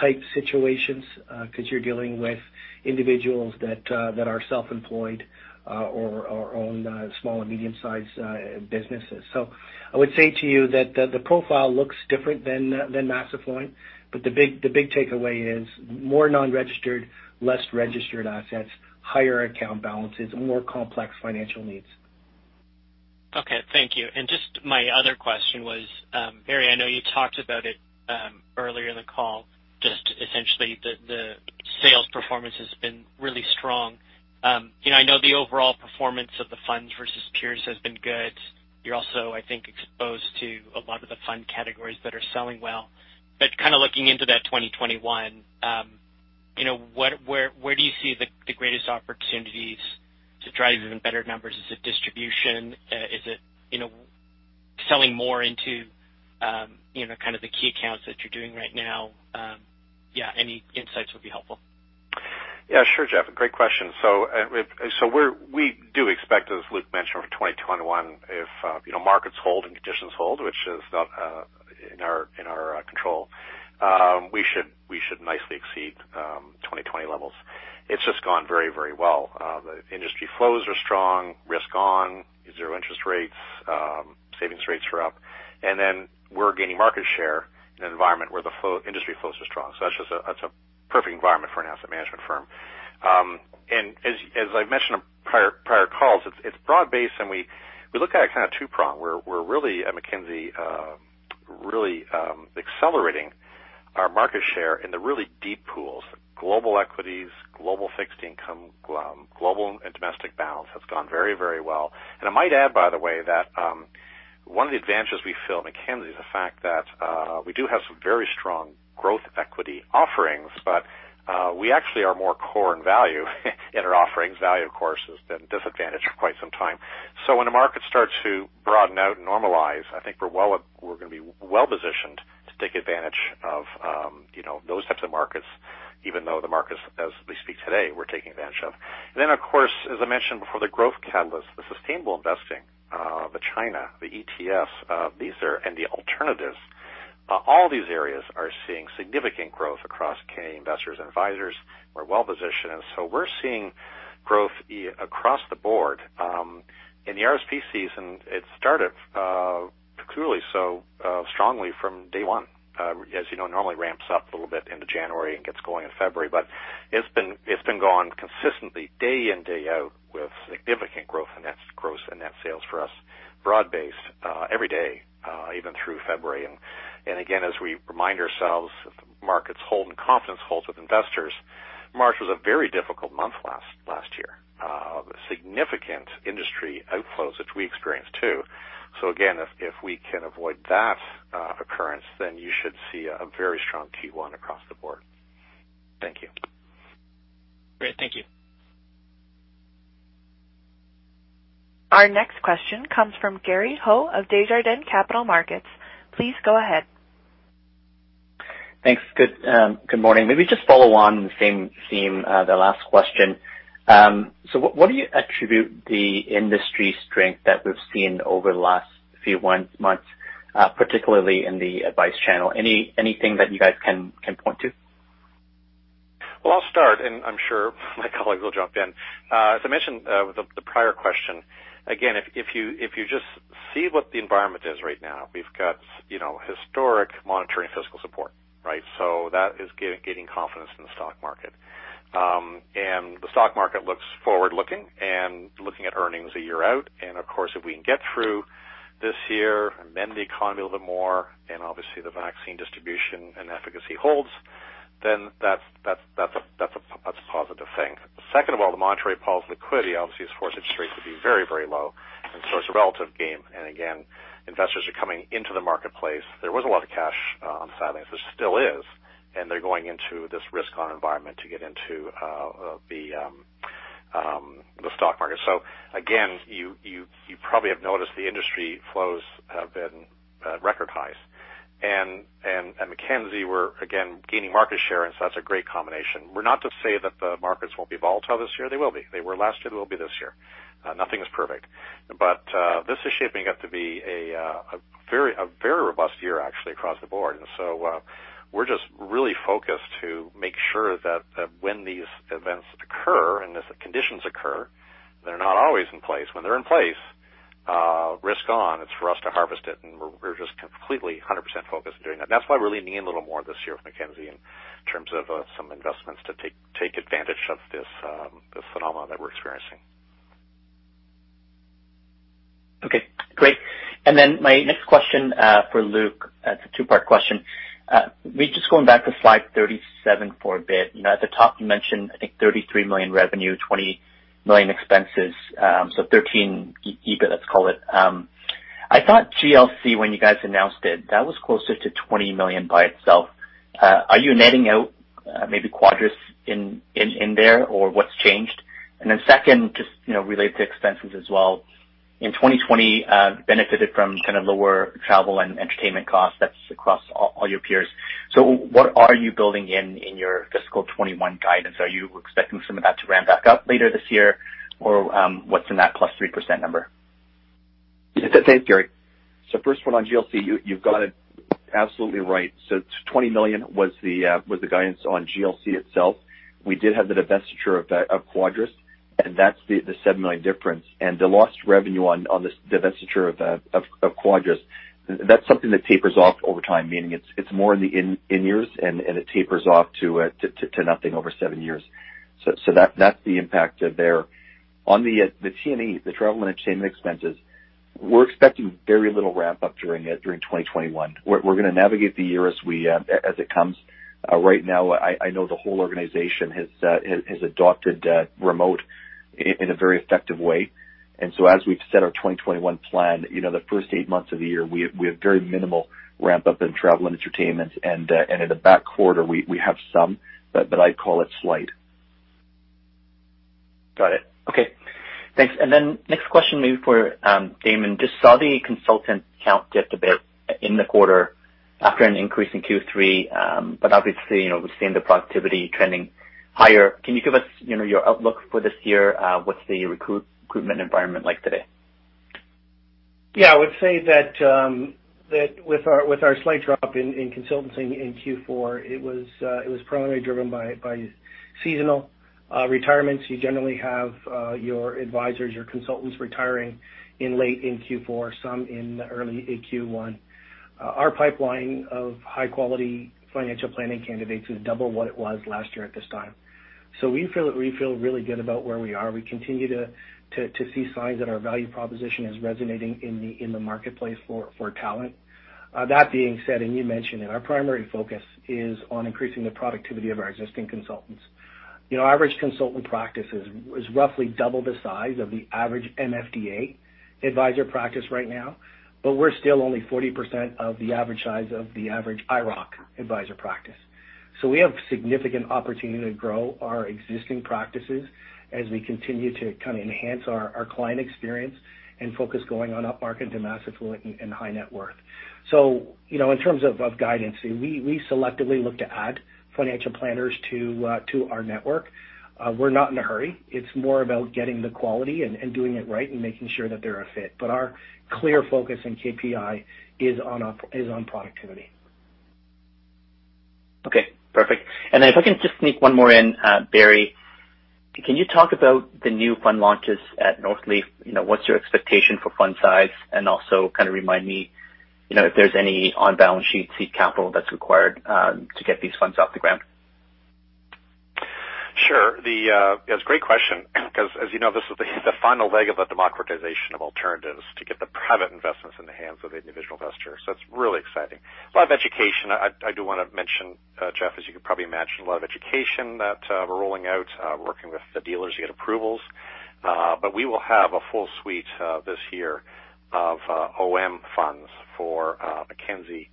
type situations, 'cause you're dealing with individuals that are self-employed, or own small and medium-sized businesses. So I would say to you that the profile looks different than mass affluent, but the big takeaway is more non-registered, less registered assets, higher account balances, and more complex financial needs. Okay, thank you. And just my other question was, Barry, I know you talked about it earlier in the call, just essentially the sales performance has been really strong. You know, I know the overall performance of the funds versus peers has been good. You're also, I think, exposed to a lot of the fund categories that are selling well. But kind of looking into that 2021, you know, what-where do you see the greatest opportunities to drive even better numbers? Is it distribution? Is it, you know, selling more into, you know, kind of the key accounts that you're doing right now? Yeah, any insights would be helpful. Yeah, sure, Jeff, great question. So, we do expect, as Luke mentioned, for 2021, if, you know, markets hold and conditions hold, which is not in our control, we should nicely exceed 2020 levels. It's just gone very, very well. The industry flows are strong, risk on, zero interest rates, savings rates are up, and then we're gaining market share in an environment where the industry flows are strong. So that's just a perfect environment for an asset management firm. And as I've mentioned on prior calls, it's broad-based, and we look at it kind of two-prong. We're really at Mackenzie, really, accelerating our market share in the really deep pools, global equities, global fixed income, global and domestic balance has gone very, very well. And I might add, by the way, that, one of the advantages we feel at Mackenzie is the fact that, we do have some very strong growth equity offerings, but, we actually are more core in value in our offerings. Value, of course, has been disadvantaged for quite some time. So when the market starts to broaden out and normalize, I think we're well... We're gonna be well positioned to take advantage of, you know, those types of markets, even though the markets, as we speak today, we're taking advantage of. Then, of course, as I mentioned before, the growth catalyst, the sustainable investing, the China, the ETFs, these are, and the alternatives, all these areas are seeing significant growth across Canadian investors and advisors. We're well positioned, and so we're seeing growth across the board. In the RSP season, it started peculiarly so strongly from day one. As you know, it normally ramps up a little bit into January and gets going in February, but it's been going consistently, day in, day out, with significant growth in net sales for us, broad-based every day even through February. And again, as we remind ourselves, if the markets hold and confidence holds with investors, March was a very difficult month last year. Significant industry outflows, which we experienced, too. So again, if we can avoid that occurrence, then you should see a very strong Q1 across the board. Thank you. Great. Thank you. Our next question comes from Gary Ho of Desjardins Capital Markets. Please go ahead. Thanks. Good morning. Maybe just follow on the same theme, the last question. So what do you attribute the industry strength that we've seen over the last few months, particularly in the advice channel? Anything that you guys can point to? Well, I'll start, and I'm sure my colleagues will jump in. As I mentioned, with the prior question, again, if you just see what the environment is right now, we've got, you know, historic monetary and fiscal support, right? So that is giving gaining confidence in the stock market. And the stock market looks forward-looking, and looking at earnings a year out, and of course, if we can get through this year, mend the economy a little bit more, and obviously the vaccine distribution and efficacy holds-... then that's a positive thing. Second of all, the monetary policy liquidity obviously has forced interest rates to be very, very low, and so it's a relative game. And again, investors are coming into the marketplace. There was a lot of cash on the sidelines. There still is, and they're going into this risk-on environment to get into the stock market. So again, you probably have noticed the industry flows have been at record highs, and Mackenzie were again gaining market share, and so that's a great combination. We're not to say that the markets won't be volatile this year. They will be. They were last year, they will be this year. Nothing is perfect, but this is shaping up to be a very robust year actually across the board. And so, we're just really focused to make sure that when these events occur and as the conditions occur, they're not always in place. When they're in place, risk on, it's for us to harvest it, and we're just completely 100% focused on doing that. That's why we're leaning in a little more this year with Mackenzie in terms of some investments to take advantage of this, this phenomenon that we're experiencing. Okay, great. And then my next question, for Luke, it's a two-part question. Just going back to slide 37 for a bit. You know, at the top, you mentioned, I think 33 million revenue, 20 million expenses, so 13 million EBIT, let's call it. I thought GLC, when you guys announced it, that was closer to 20 million by itself. Are you netting out, maybe Quadrus in there, or what's changed? And then second, just, you know, related to expenses as well. In 2020, benefited from kind of lower travel and entertainment costs. That's across all your peers. So what are you building in your fiscal 2021 guidance? Are you expecting some of that to ramp back up later this year, or, what's in that +3% number? Thanks, Gary. So first one, on GLC, you, you've got it absolutely right. So 20 million was the guidance on GLC itself. We did have the divestiture of Quadrus, and that's the 7 million difference. And the lost revenue on the divestiture of Quadrus, that's something that tapers off over time, meaning it's more in the initial years, and it tapers off to nothing over seven years. So that's the impact there. On the T&E, the travel and entertainment expenses, we're expecting very little ramp up during 2021. We're gonna navigate the year as it comes. Right now, I know the whole organization has adopted remote in a very effective way. As we've set our 2021 plan, you know, the first eight months of the year, we have very minimal ramp up in travel and entertainment, and in the back quarter, we have some, but I'd call it slight. Got it. Okay, thanks. And then next question maybe for Damon. Just saw the consultant count just a bit in the quarter after an increase in Q3, but obviously, you know, we've seen the productivity trending higher. Can you give us, you know, your outlook for this year? What's the recruitment environment like today? Yeah, I would say that with our slight drop in consulting in Q4, it was primarily driven by seasonal retirements. You generally have your advisors, your consultants retiring in late in Q4, some in early in Q1. Our pipeline of high quality financial planning candidates is double what it was last year at this time. So we feel that- we feel really good about where we are. We continue to see signs that our value proposition is resonating in the marketplace for talent. That being said, and you mentioned it, our primary focus is on increasing the productivity of our existing consultants. You know, average consultant practices is roughly double the size of the average MFDA advisor practice right now, but we're still only 40% of the average size of the average IIROC advisor practice. So we have significant opportunity to grow our existing practices as we continue to kind of enhance our client experience and focus going on upmarket to mass affluent and high net worth. So, you know, in terms of guidance, we selectively look to add financial planners to our network. We're not in a hurry. It's more about getting the quality and doing it right and making sure that they're a fit. But our clear focus and KPI is on productivity. Okay, perfect. If I can just sneak one more in, Barry, can you talk about the new fund launches at Northleaf? You know, what's your expectation for fund size? And also kind of remind me, you know, if there's any on-balance sheet seed capital that's required to get these funds off the ground. Sure. That's a great question, because as you know, this is the final leg of the democratization of alternatives to get the private investments in the hands of individual investors. So it's really exciting. A lot of education. I do wanna mention, Jeff, as you can probably imagine, a lot of education that we're rolling out, working with the dealers to get approvals. But we will have a full suite this year of OM funds for Mackenzie,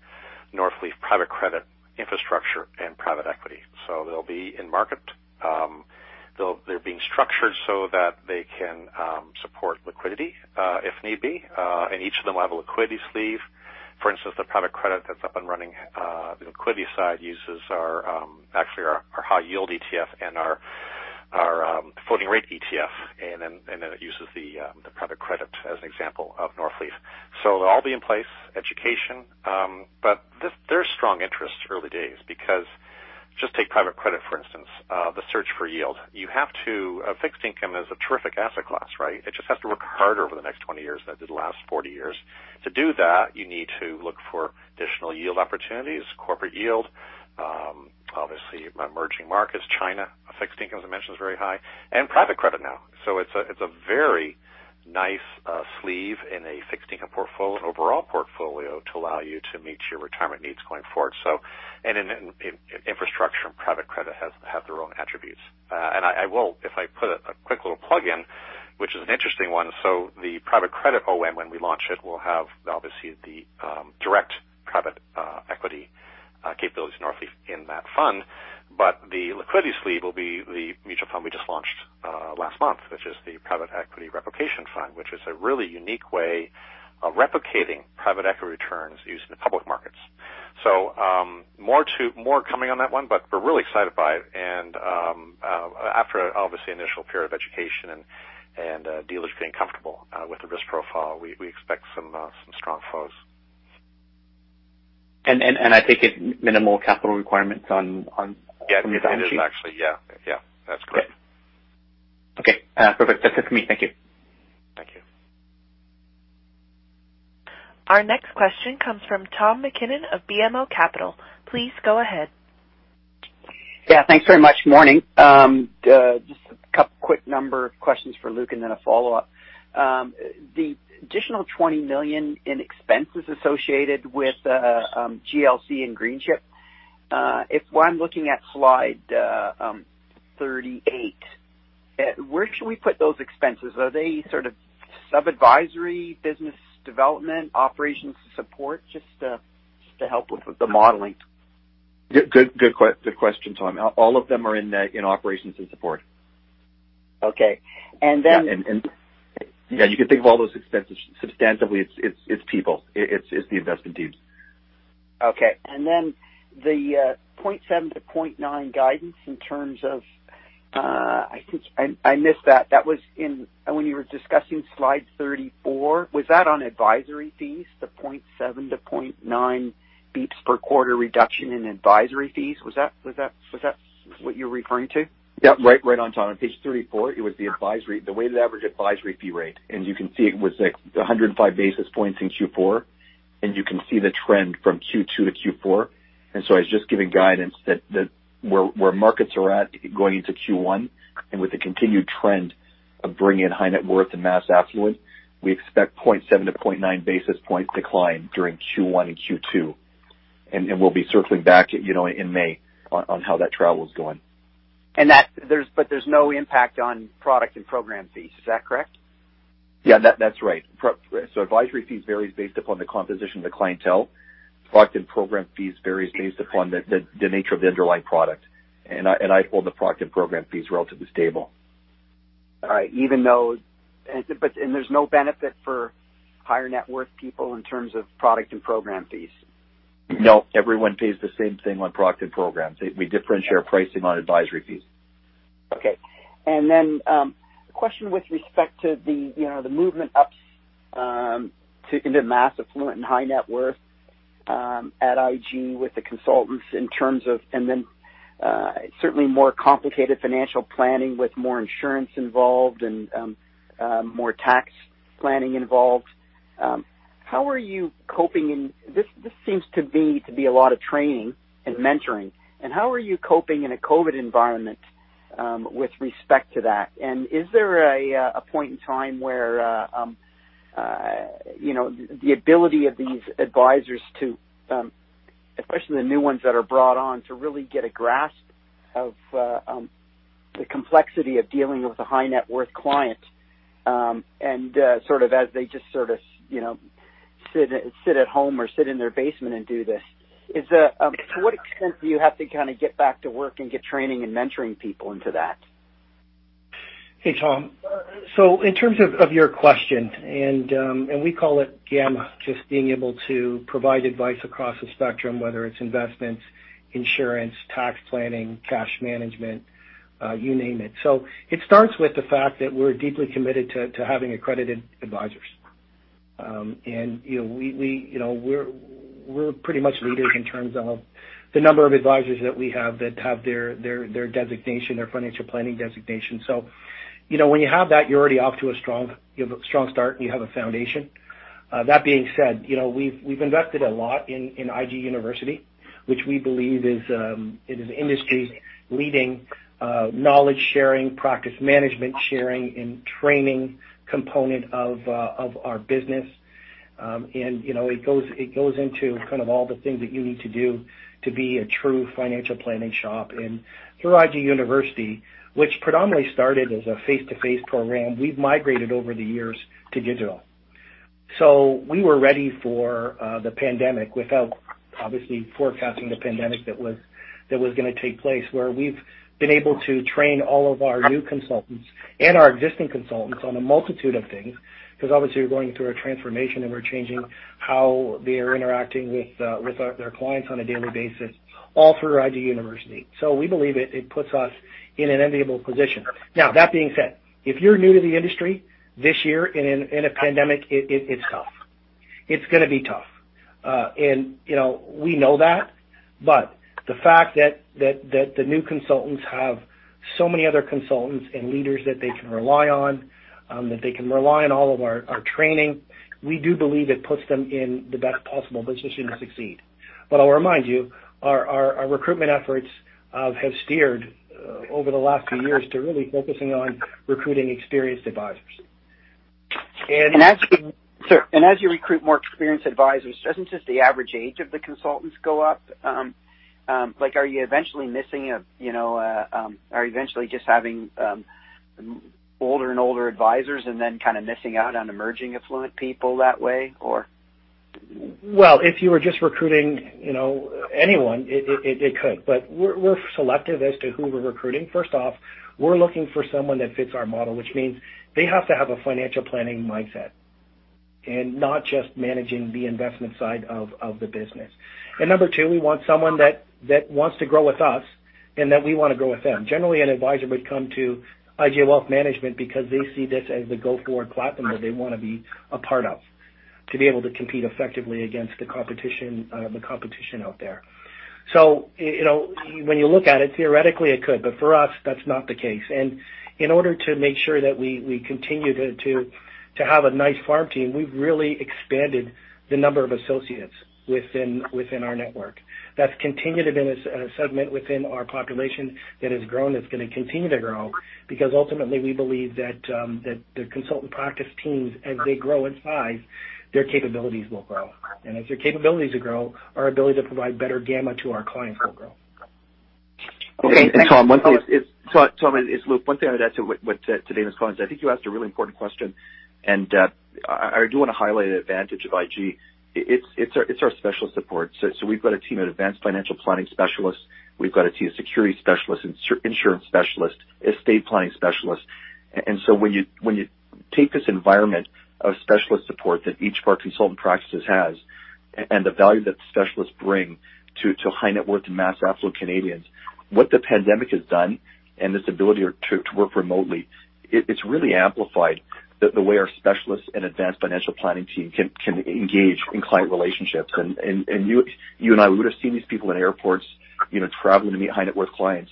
Northleaf private credit, infrastructure, and private equity. So they'll be in market. They're being structured so that they can support liquidity if need be, and each of them will have a liquidity sleeve. For instance, the private credit that's up and running, the liquidity side uses our, actually our high yield ETF and our floating rate ETF, and then it uses the private credit as an example of Northleaf. So they'll all be in place, education, but there's strong interest early days because just take private credit, for instance, the search for yield. You have to... Fixed income is a terrific asset class, right? It just has to work harder over the next 20 years than it did the last 40 years. To do that, you need to look for additional yield opportunities, corporate yield, obviously emerging markets, China, fixed income, as I mentioned, is very high, and private credit now. So it's a, it's a very- ... nice sleeve in a fixed income portfolio, overall portfolio, to allow you to meet your retirement needs going forward. So and in infrastructure and private credit have their own attributes. And I will, if I put a quick little plug in, which is an interesting one, so the private credit OM, when we launch it, will have obviously the direct private equity capabilities in that fund. But the liquidity sleeve will be the mutual fund we just launched last month, which is the private equity replication fund, which is a really unique way of replicating private equity returns using the public markets. So, more coming on that one, but we're really excited by it. After, obviously, initial period of education and dealers getting comfortable with the risk profile, we expect some strong flows. I take it minimal capital requirements on, on- Yeah. From your balance sheet? It is actually, yeah. Yeah, that's correct. Okay, perfect. That's it for me. Thank you. Thank you. Our next question comes from Tom MacKinnon of BMO Capital. Please go ahead. Yeah, thanks very much. Morning. Just a couple quick number questions for Luke, and then a follow-up. The additional 20 million in expenses associated with GLC and Greenchip, if I'm looking at slide 38, where should we put those expenses? Are they sort of sub-advisory, business development, operations support? Just just to help with the modeling. Good, good, good, good question, Tom. All of them are in, in operations and support. Okay. And then- Yeah, you can think of all those expenses substantively, it's people, it's the investment teams. Okay. And then the 0.7-0.9 guidance in terms of, I think I missed that. That was in... When you were discussing slide 34, was that on advisory fees, the 0.7-0.9 basis points per quarter reduction in advisory fees? Was that what you're referring to? Yeah, right, right on, Tom. On page 34, it was the advisory, the weighted average advisory fee rate. And you can see it was like 105 basis points in Q4, and you can see the trend from Q2 to Q4. And so I was just giving guidance that, that where, where markets are at going into Q1, and with the continued trend of bringing in high net worth and mass affluent, we expect 0.7-0.9 basis points decline during Q1 and Q2. And, and we'll be circling back, you know, in May on, on how that travel is going. But there's no impact on product and program fees. Is that correct? Yeah, that's right. So advisory fees varies based upon the composition of the clientele. Product and program fees varies based upon the nature of the underlying product, and I hold the product and program fees relatively stable. All right. But there's no benefit for high-net-worth people in terms of product and program fees? No, everyone pays the same thing on product and programs. We differentiate our pricing on advisory fees. Okay. And then, a question with respect to the, you know, the movement up to into mass affluent and high net worth at IG with the consultants in terms of... And then, certainly more complicated financial planning with more insurance involved and more tax planning involved. How are you coping in... This seems to be a lot of training and mentoring, and how are you coping in a COVID environment with respect to that? And is there a point in time where, you know, the ability of these advisors to, especially the new ones that are brought on, to really get a grasp of, the complexity of dealing with a high net worth client, and, sort of as they just sort of, you know, sit at home or sit in their basement and do this? Is that, to what extent do you have to kind of get back to work and get training and mentoring people into that? Hey, Tom. So in terms of your question, we call it gamma, just being able to provide advice across the spectrum, whether it's investments, insurance, tax planning, cash management, you name it. So it starts with the fact that we're deeply committed to having accredited advisors. You know, we're pretty much leaders in terms of the number of advisors that we have that have their financial planning designation. So, you know, when you have that, you're already off to a strong start, and you have a foundation. That being said, you know, we've invested a lot in IG University, which we believe is industry leading knowledge sharing, practice management sharing, and training component of our business. You know, it goes, it goes into kind of all the things that you need to do to be a true financial planning shop. And through IG University, which predominantly started as a face-to-face program, we've migrated over the years to digital. So we were ready for the pandemic without obviously forecasting the pandemic that was gonna take place, where we've been able to train all of our new consultants and our existing consultants on a multitude of things, because obviously we're going through a transformation and we're changing how they're interacting with their clients on a daily basis, all through IG University. So we believe it puts us in an enviable position. Now, that being said, if you're new to the industry this year in a pandemic, it's tough. It's gonna be tough. And, you know, we know that, but the fact that the new consultants have so many other consultants and leaders that they can rely on, that they can rely on all of our training, we do believe it puts them in the best possible position to succeed... but I'll remind you, our recruitment efforts have steered over the last few years to really focusing on recruiting experienced advisors. And- And as you recruit more experienced advisors, doesn't just the average age of the consultants go up? Like, are you eventually just having older and older advisors, and then kind of missing out on emerging affluent people that way, or? Well, if you were just recruiting, you know, anyone, it could, but we're selective as to who we're recruiting. First off, we're looking for someone that fits our model, which means they have to have a financial planning mindset, and not just managing the investment side of the business. And number two, we want someone that wants to grow with us, and that we want to grow with them. Generally, an advisor would come to IG Wealth Management because they see this as the go-forward platform that they want to be a part of, to be able to compete effectively against the competition, the competition out there. So, you know, when you look at it, theoretically, it could, but for us, that's not the case. In order to make sure that we continue to have a nice farm team, we've really expanded the number of associates within our network. That's continued to be a segment within our population that has grown, it's going to continue to grow, because ultimately we believe that the consultant practice teams, as they grow in size, their capabilities will grow. As their capabilities grow, our ability to provide better gamma to our clients will grow. Okay, thanks. And Tom, one thing, Tom, it's Luke. One thing I'd add to what to Damon's comments. I think you asked a really important question, and I do want to highlight an advantage of IG. It's our specialist support. So we've got a team of advanced financial planning specialists. We've got a team of security specialists, insurance specialists, estate planning specialists. And so when you take this environment of specialist support that each of our consultant practices has, and the value that specialists bring to high net worth to mass affluent Canadians, what the pandemic has done and this ability to work remotely, it's really amplified the way our specialists and advanced financial planning team can engage in client relationships. You and I, we would have seen these people in airports, you know, traveling to meet high net worth clients.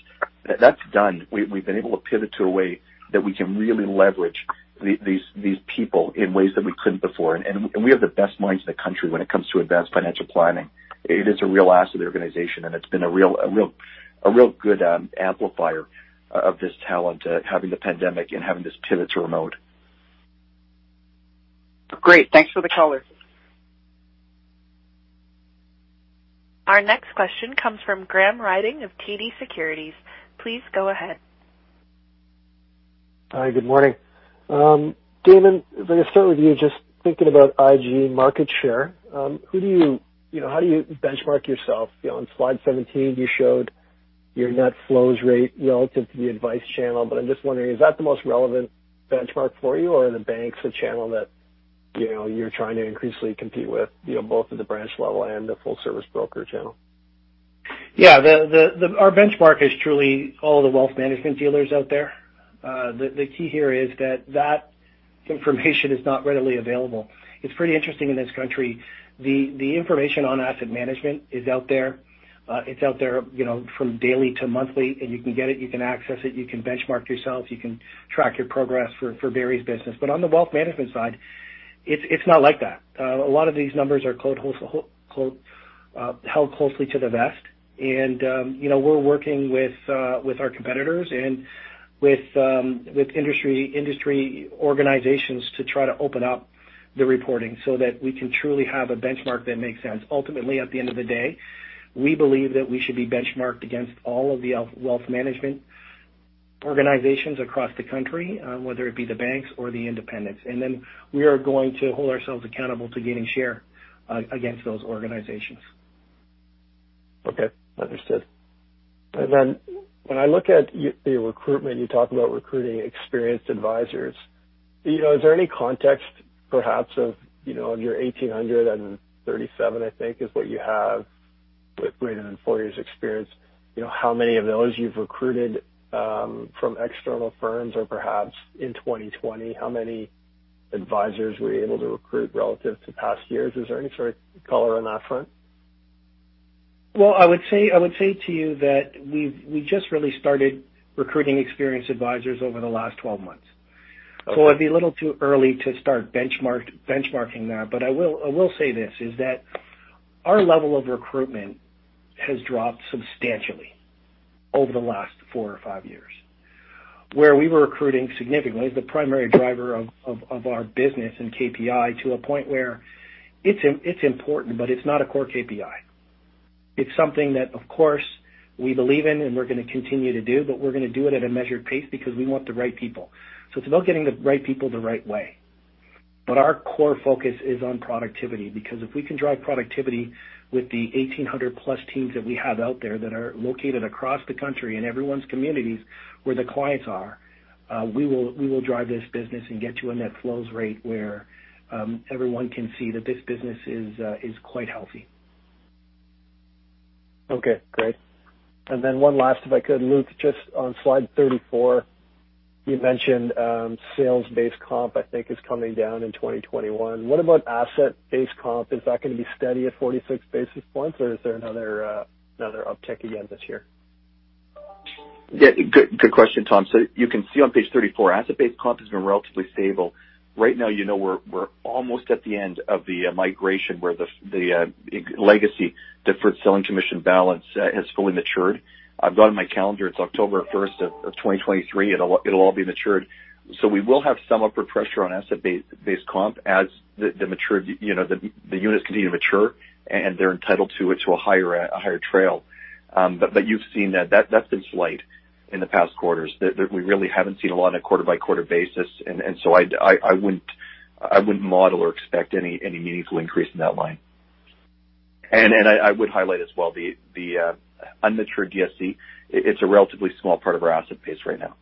That's done. We've been able to pivot to a way that we can really leverage these people in ways that we couldn't before. We have the best minds in the country when it comes to advanced financial planning. It is a real asset to the organization, and it's been a real good amplifier of this talent, having the pandemic and having this pivot to remote. Great. Thanks for the color. Our next question comes from Graham Ryding of TD Securities. Please go ahead. Hi, good morning. Damon, I'm gonna start with you. Just thinking about IG market share, who do you, you know, how do you benchmark yourself? You know, on slide 17, you showed your net flows rate relative to the advice channel, but I'm just wondering, is that the most relevant benchmark for you, or are the banks a channel that, you know, you're trying to increasingly compete with, you know, both at the branch level and the full service broker channel? Yeah, Our benchmark is truly all the wealth management dealers out there. The key here is that that information is not readily available. It's pretty interesting in this country, the information on asset management is out there. It's out there, you know, from daily to monthly, and you can get it, you can access it, you can benchmark yourself, you can track your progress for various business. But on the wealth management side, it's not like that. A lot of these numbers are quote, "held closely to the vest," and, you know, we're working with our competitors and with industry organizations to try to open up the reporting so that we can truly have a benchmark that makes sense. Ultimately, at the end of the day, we believe that we should be benchmarked against all of the wealth management organizations across the country, whether it be the banks or the independents, and then we are going to hold ourselves accountable to gaining share against those organizations. Okay, understood. Then when I look at your recruitment, you talk about recruiting experienced advisors. You know, is there any context perhaps of, you know, of your 1,837, I think, is what you have with greater than four years experience, you know, how many of those you've recruited from external firms, or perhaps in 2020, how many advisors were you able to recruit relative to past years? Is there any sort of color on that front? Well, I would say, I would say to you that we've just really started recruiting experienced advisors over the last 12 months. Okay. So it'd be a little too early to start benchmarking that, but I will say this: our level of recruitment has dropped substantially over the last four or five years, where we were recruiting significantly as the primary driver of our business and KPI to a point where it's important, but it's not a core KPI. It's something that, of course, we believe in, and we're gonna continue to do, but we're gonna do it at a measured pace because we want the right people. So it's about getting the right people the right way. But our core focus is on productivity, because if we can drive productivity with the 1,800+ teams that we have out there that are located across the country in everyone's communities where the clients are, we will, we will drive this business and get to a net flows rate where, everyone can see that this business is, is quite healthy. Okay, great. Then one last, if I could, Luke, just on slide 34, you mentioned sales-based comp, I think, is coming down in 2021. What about asset-based comp? Is that gonna be steady at 46 basis points, or is there another uptick again this year?... Yeah, good, good question, Tom. So you can see on page 34, asset-based comp has been relatively stable. Right now, you know, we're almost at the end of the migration where the legacy deferred selling commission balance has fully matured. I've got on my calendar, it's October 1, 2023, it'll all be matured. So we will have some upward pressure on asset-based comp as the units continue to mature and they're entitled to a higher trail. But you've seen that that's been slight in the past quarters. That we really haven't seen a lot on a quarter-by-quarter basis, and so I wouldn't model or expect any meaningful increase in that line. And I would highlight as well the unmatured DSC. It's a relatively small part of our asset base right now.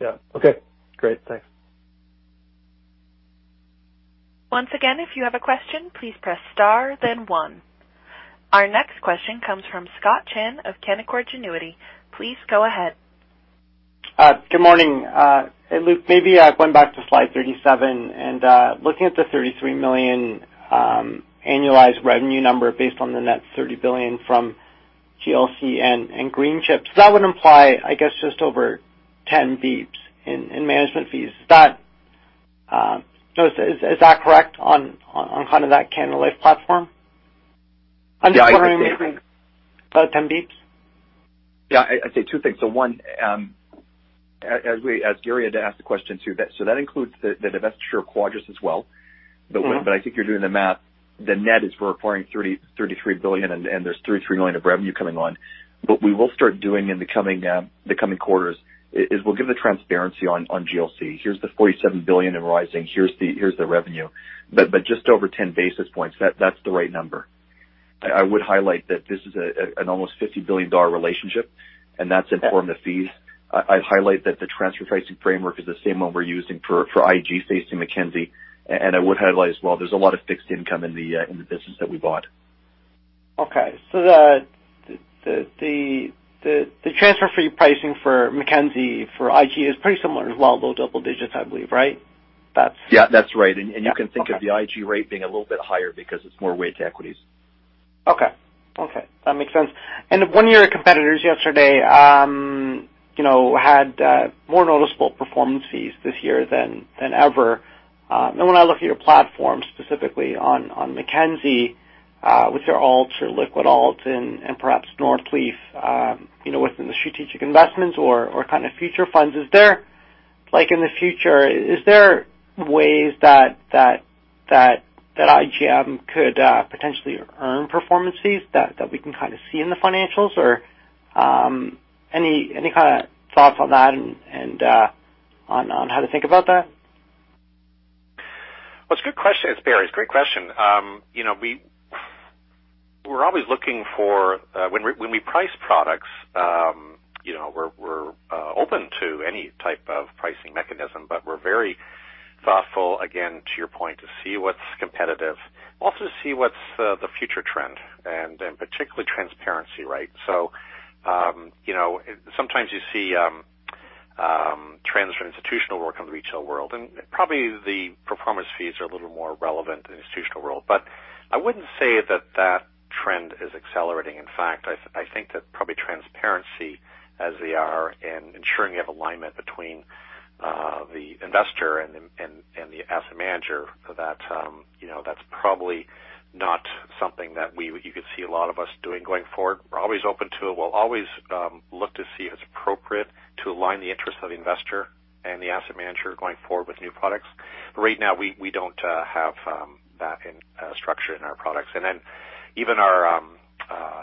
Yeah. Okay, great. Thanks. Once again, if you have a question, please press star, then one. Our next question comes from Scott Chan of Canaccord Genuity. Please go ahead. Good morning. Luke, maybe going back to slide 37 and looking at the 33 million annualized revenue number based on the net 30 billion from GLC and Greenchip. That would imply, I guess, just over 10 basis points in management fees. Is that so is that correct on kind of that Canada Life platform? Yeah, I think- About 10 basis points? Yeah, I'd say two things. So one, as Gary had asked the question, too, that so that includes the divestiture of Quadrus as well. Mm-hmm. But I think you're doing the math. The net is we're acquiring 33 billion, and there's 33 million of revenue coming on. But we will start doing in the coming, the coming quarters, is we'll give the transparency on, on GLC. Here's the 47 billion and rising, here's the, here's the revenue. But just over 10 basis points, that's the right number. I would highlight that this is a, a, an almost 50 billion dollar relationship, and that's important to fees. I'd highlight that the transfer pricing framework is the same one we're using for, for IG facing Mackenzie. And I would highlight as well, there's a lot of fixed income in the, in the business that we bought. Okay, so the transfer fee pricing for Mackenzie, for IG is pretty similar as well, though, double digits, I believe, right? That's- Yeah, that's right. Yeah, okay. You can think of the IG rate being a little bit higher because it's more weight to equities. Okay. Okay, that makes sense. And one of your competitors yesterday, you know, had more noticeable performance fees this year than ever. And when I look at your platform, specifically on Mackenzie, with your alts, your liquid alts and perhaps Northleaf, you know, within the strategic investments or kind of future funds, is there, like in the future, is there ways that that that that IGM could potentially earn performance fees that we can kind of see in the financials? Or any kind of thoughts on that and on how to think about that? Well, it's a good question. It's Barry, it's a great question. You know, we're always looking for... When we price products, you know, we're open to any type of pricing mechanism, but we're very thoughtful, again, to your point, to see what's competitive, also to see what's the future trend and particularly transparency, right? So, you know, sometimes you see trends from institutional work on the retail world, and probably the performance fees are a little more relevant in the institutional world. But I wouldn't say that that trend is accelerating. In fact, I think that probably transparency, as we are in ensuring you have alignment between the investor and the asset manager, you know, that's probably not something that we would—you could see a lot of us doing going forward. We're always open to it. We'll always look to see if it's appropriate to align the interests of the investor and the asset manager going forward with new products. But right now, we don't have that in structure in our products. And then even our,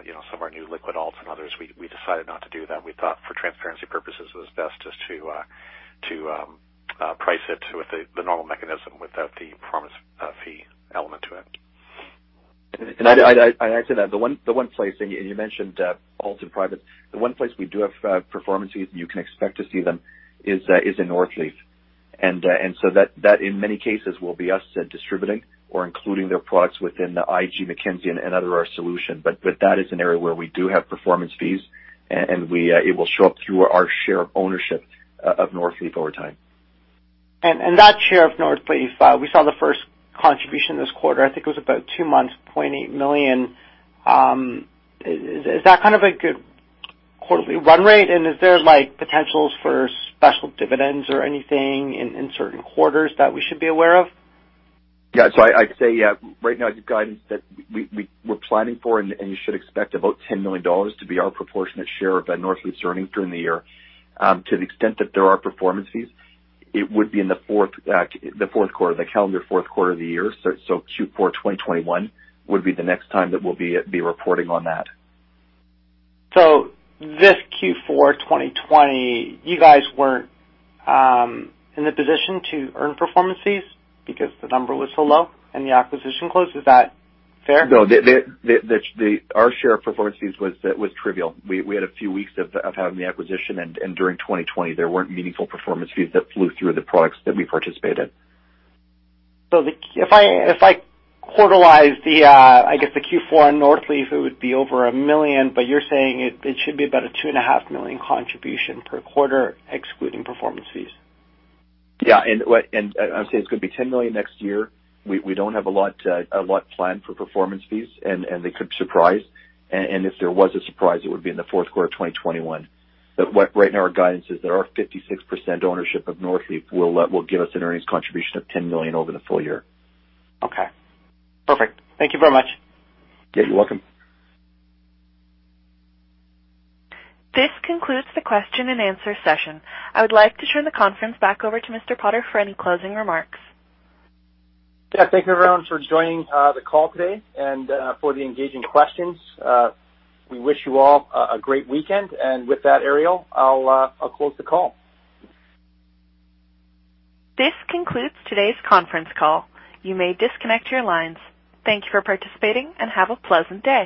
you know, some of our new liquid alts and others, we decided not to do that. We thought for transparency purposes, it was best just to price it with the normal mechanism without the performance fee element to it. And I'd add to that, the one place, and you mentioned alts in private. The one place we do have performance fees, and you can expect to see them, is in Northleaf. And so that in many cases will be us distributing or including their products within the IG Mackenzie and other our solution. But that is an area where we do have performance fees, and it will show up through our share of ownership of Northleaf over time. that share of Northleaf, we saw the first contribution this quarter. I think it was about 2.8 million. Is that kind of a good quarterly run rate? And is there, like, potentials for special dividends or anything in certain quarters that we should be aware of? Yeah, so I'd say right now, the guidance that we're planning for, and you should expect about 10 million dollars to be our proportionate share of that Northleaf earnings during the year. To the extent that there are performance fees, it would be in the fourth quarter, the calendar fourth quarter of the year. So Q4 2021 would be the next time that we'll be reporting on that. This Q4 2020, you guys weren't in the position to earn performance fees because the number was so low and the acquisition closed. Is that fair? No, our share of performance fees was trivial. We had a few weeks of having the acquisition, and during 2020, there weren't meaningful performance fees that flew through the products that we participated in. So if I quarterize the Q4 on Northleaf, I guess it would be over 1 million, but you're saying it should be about 2.5 million contribution per quarter, excluding performance fees? Yeah, and what, and I'd say it's going to be 10 million next year. We, we don't have a lot, a lot planned for performance fees, and, and they could surprise. And, and if there was a surprise, it would be in the fourth quarter of 2021. But what right now, our guidance is that our 56% ownership of Northleaf will, will give us an earnings contribution of 10 million over the full year. Okay, perfect. Thank you very much. Yeah, you're welcome. This concludes the question and answer session. I would like to turn the conference back over to Mr. Potter for any closing remarks. Yeah, thank you everyone for joining the call today and for the engaging questions. We wish you all a great weekend, and with that, Ariel, I'll close the call. This concludes today's conference call. You may disconnect your lines. Thank you for participating, and have a pleasant day!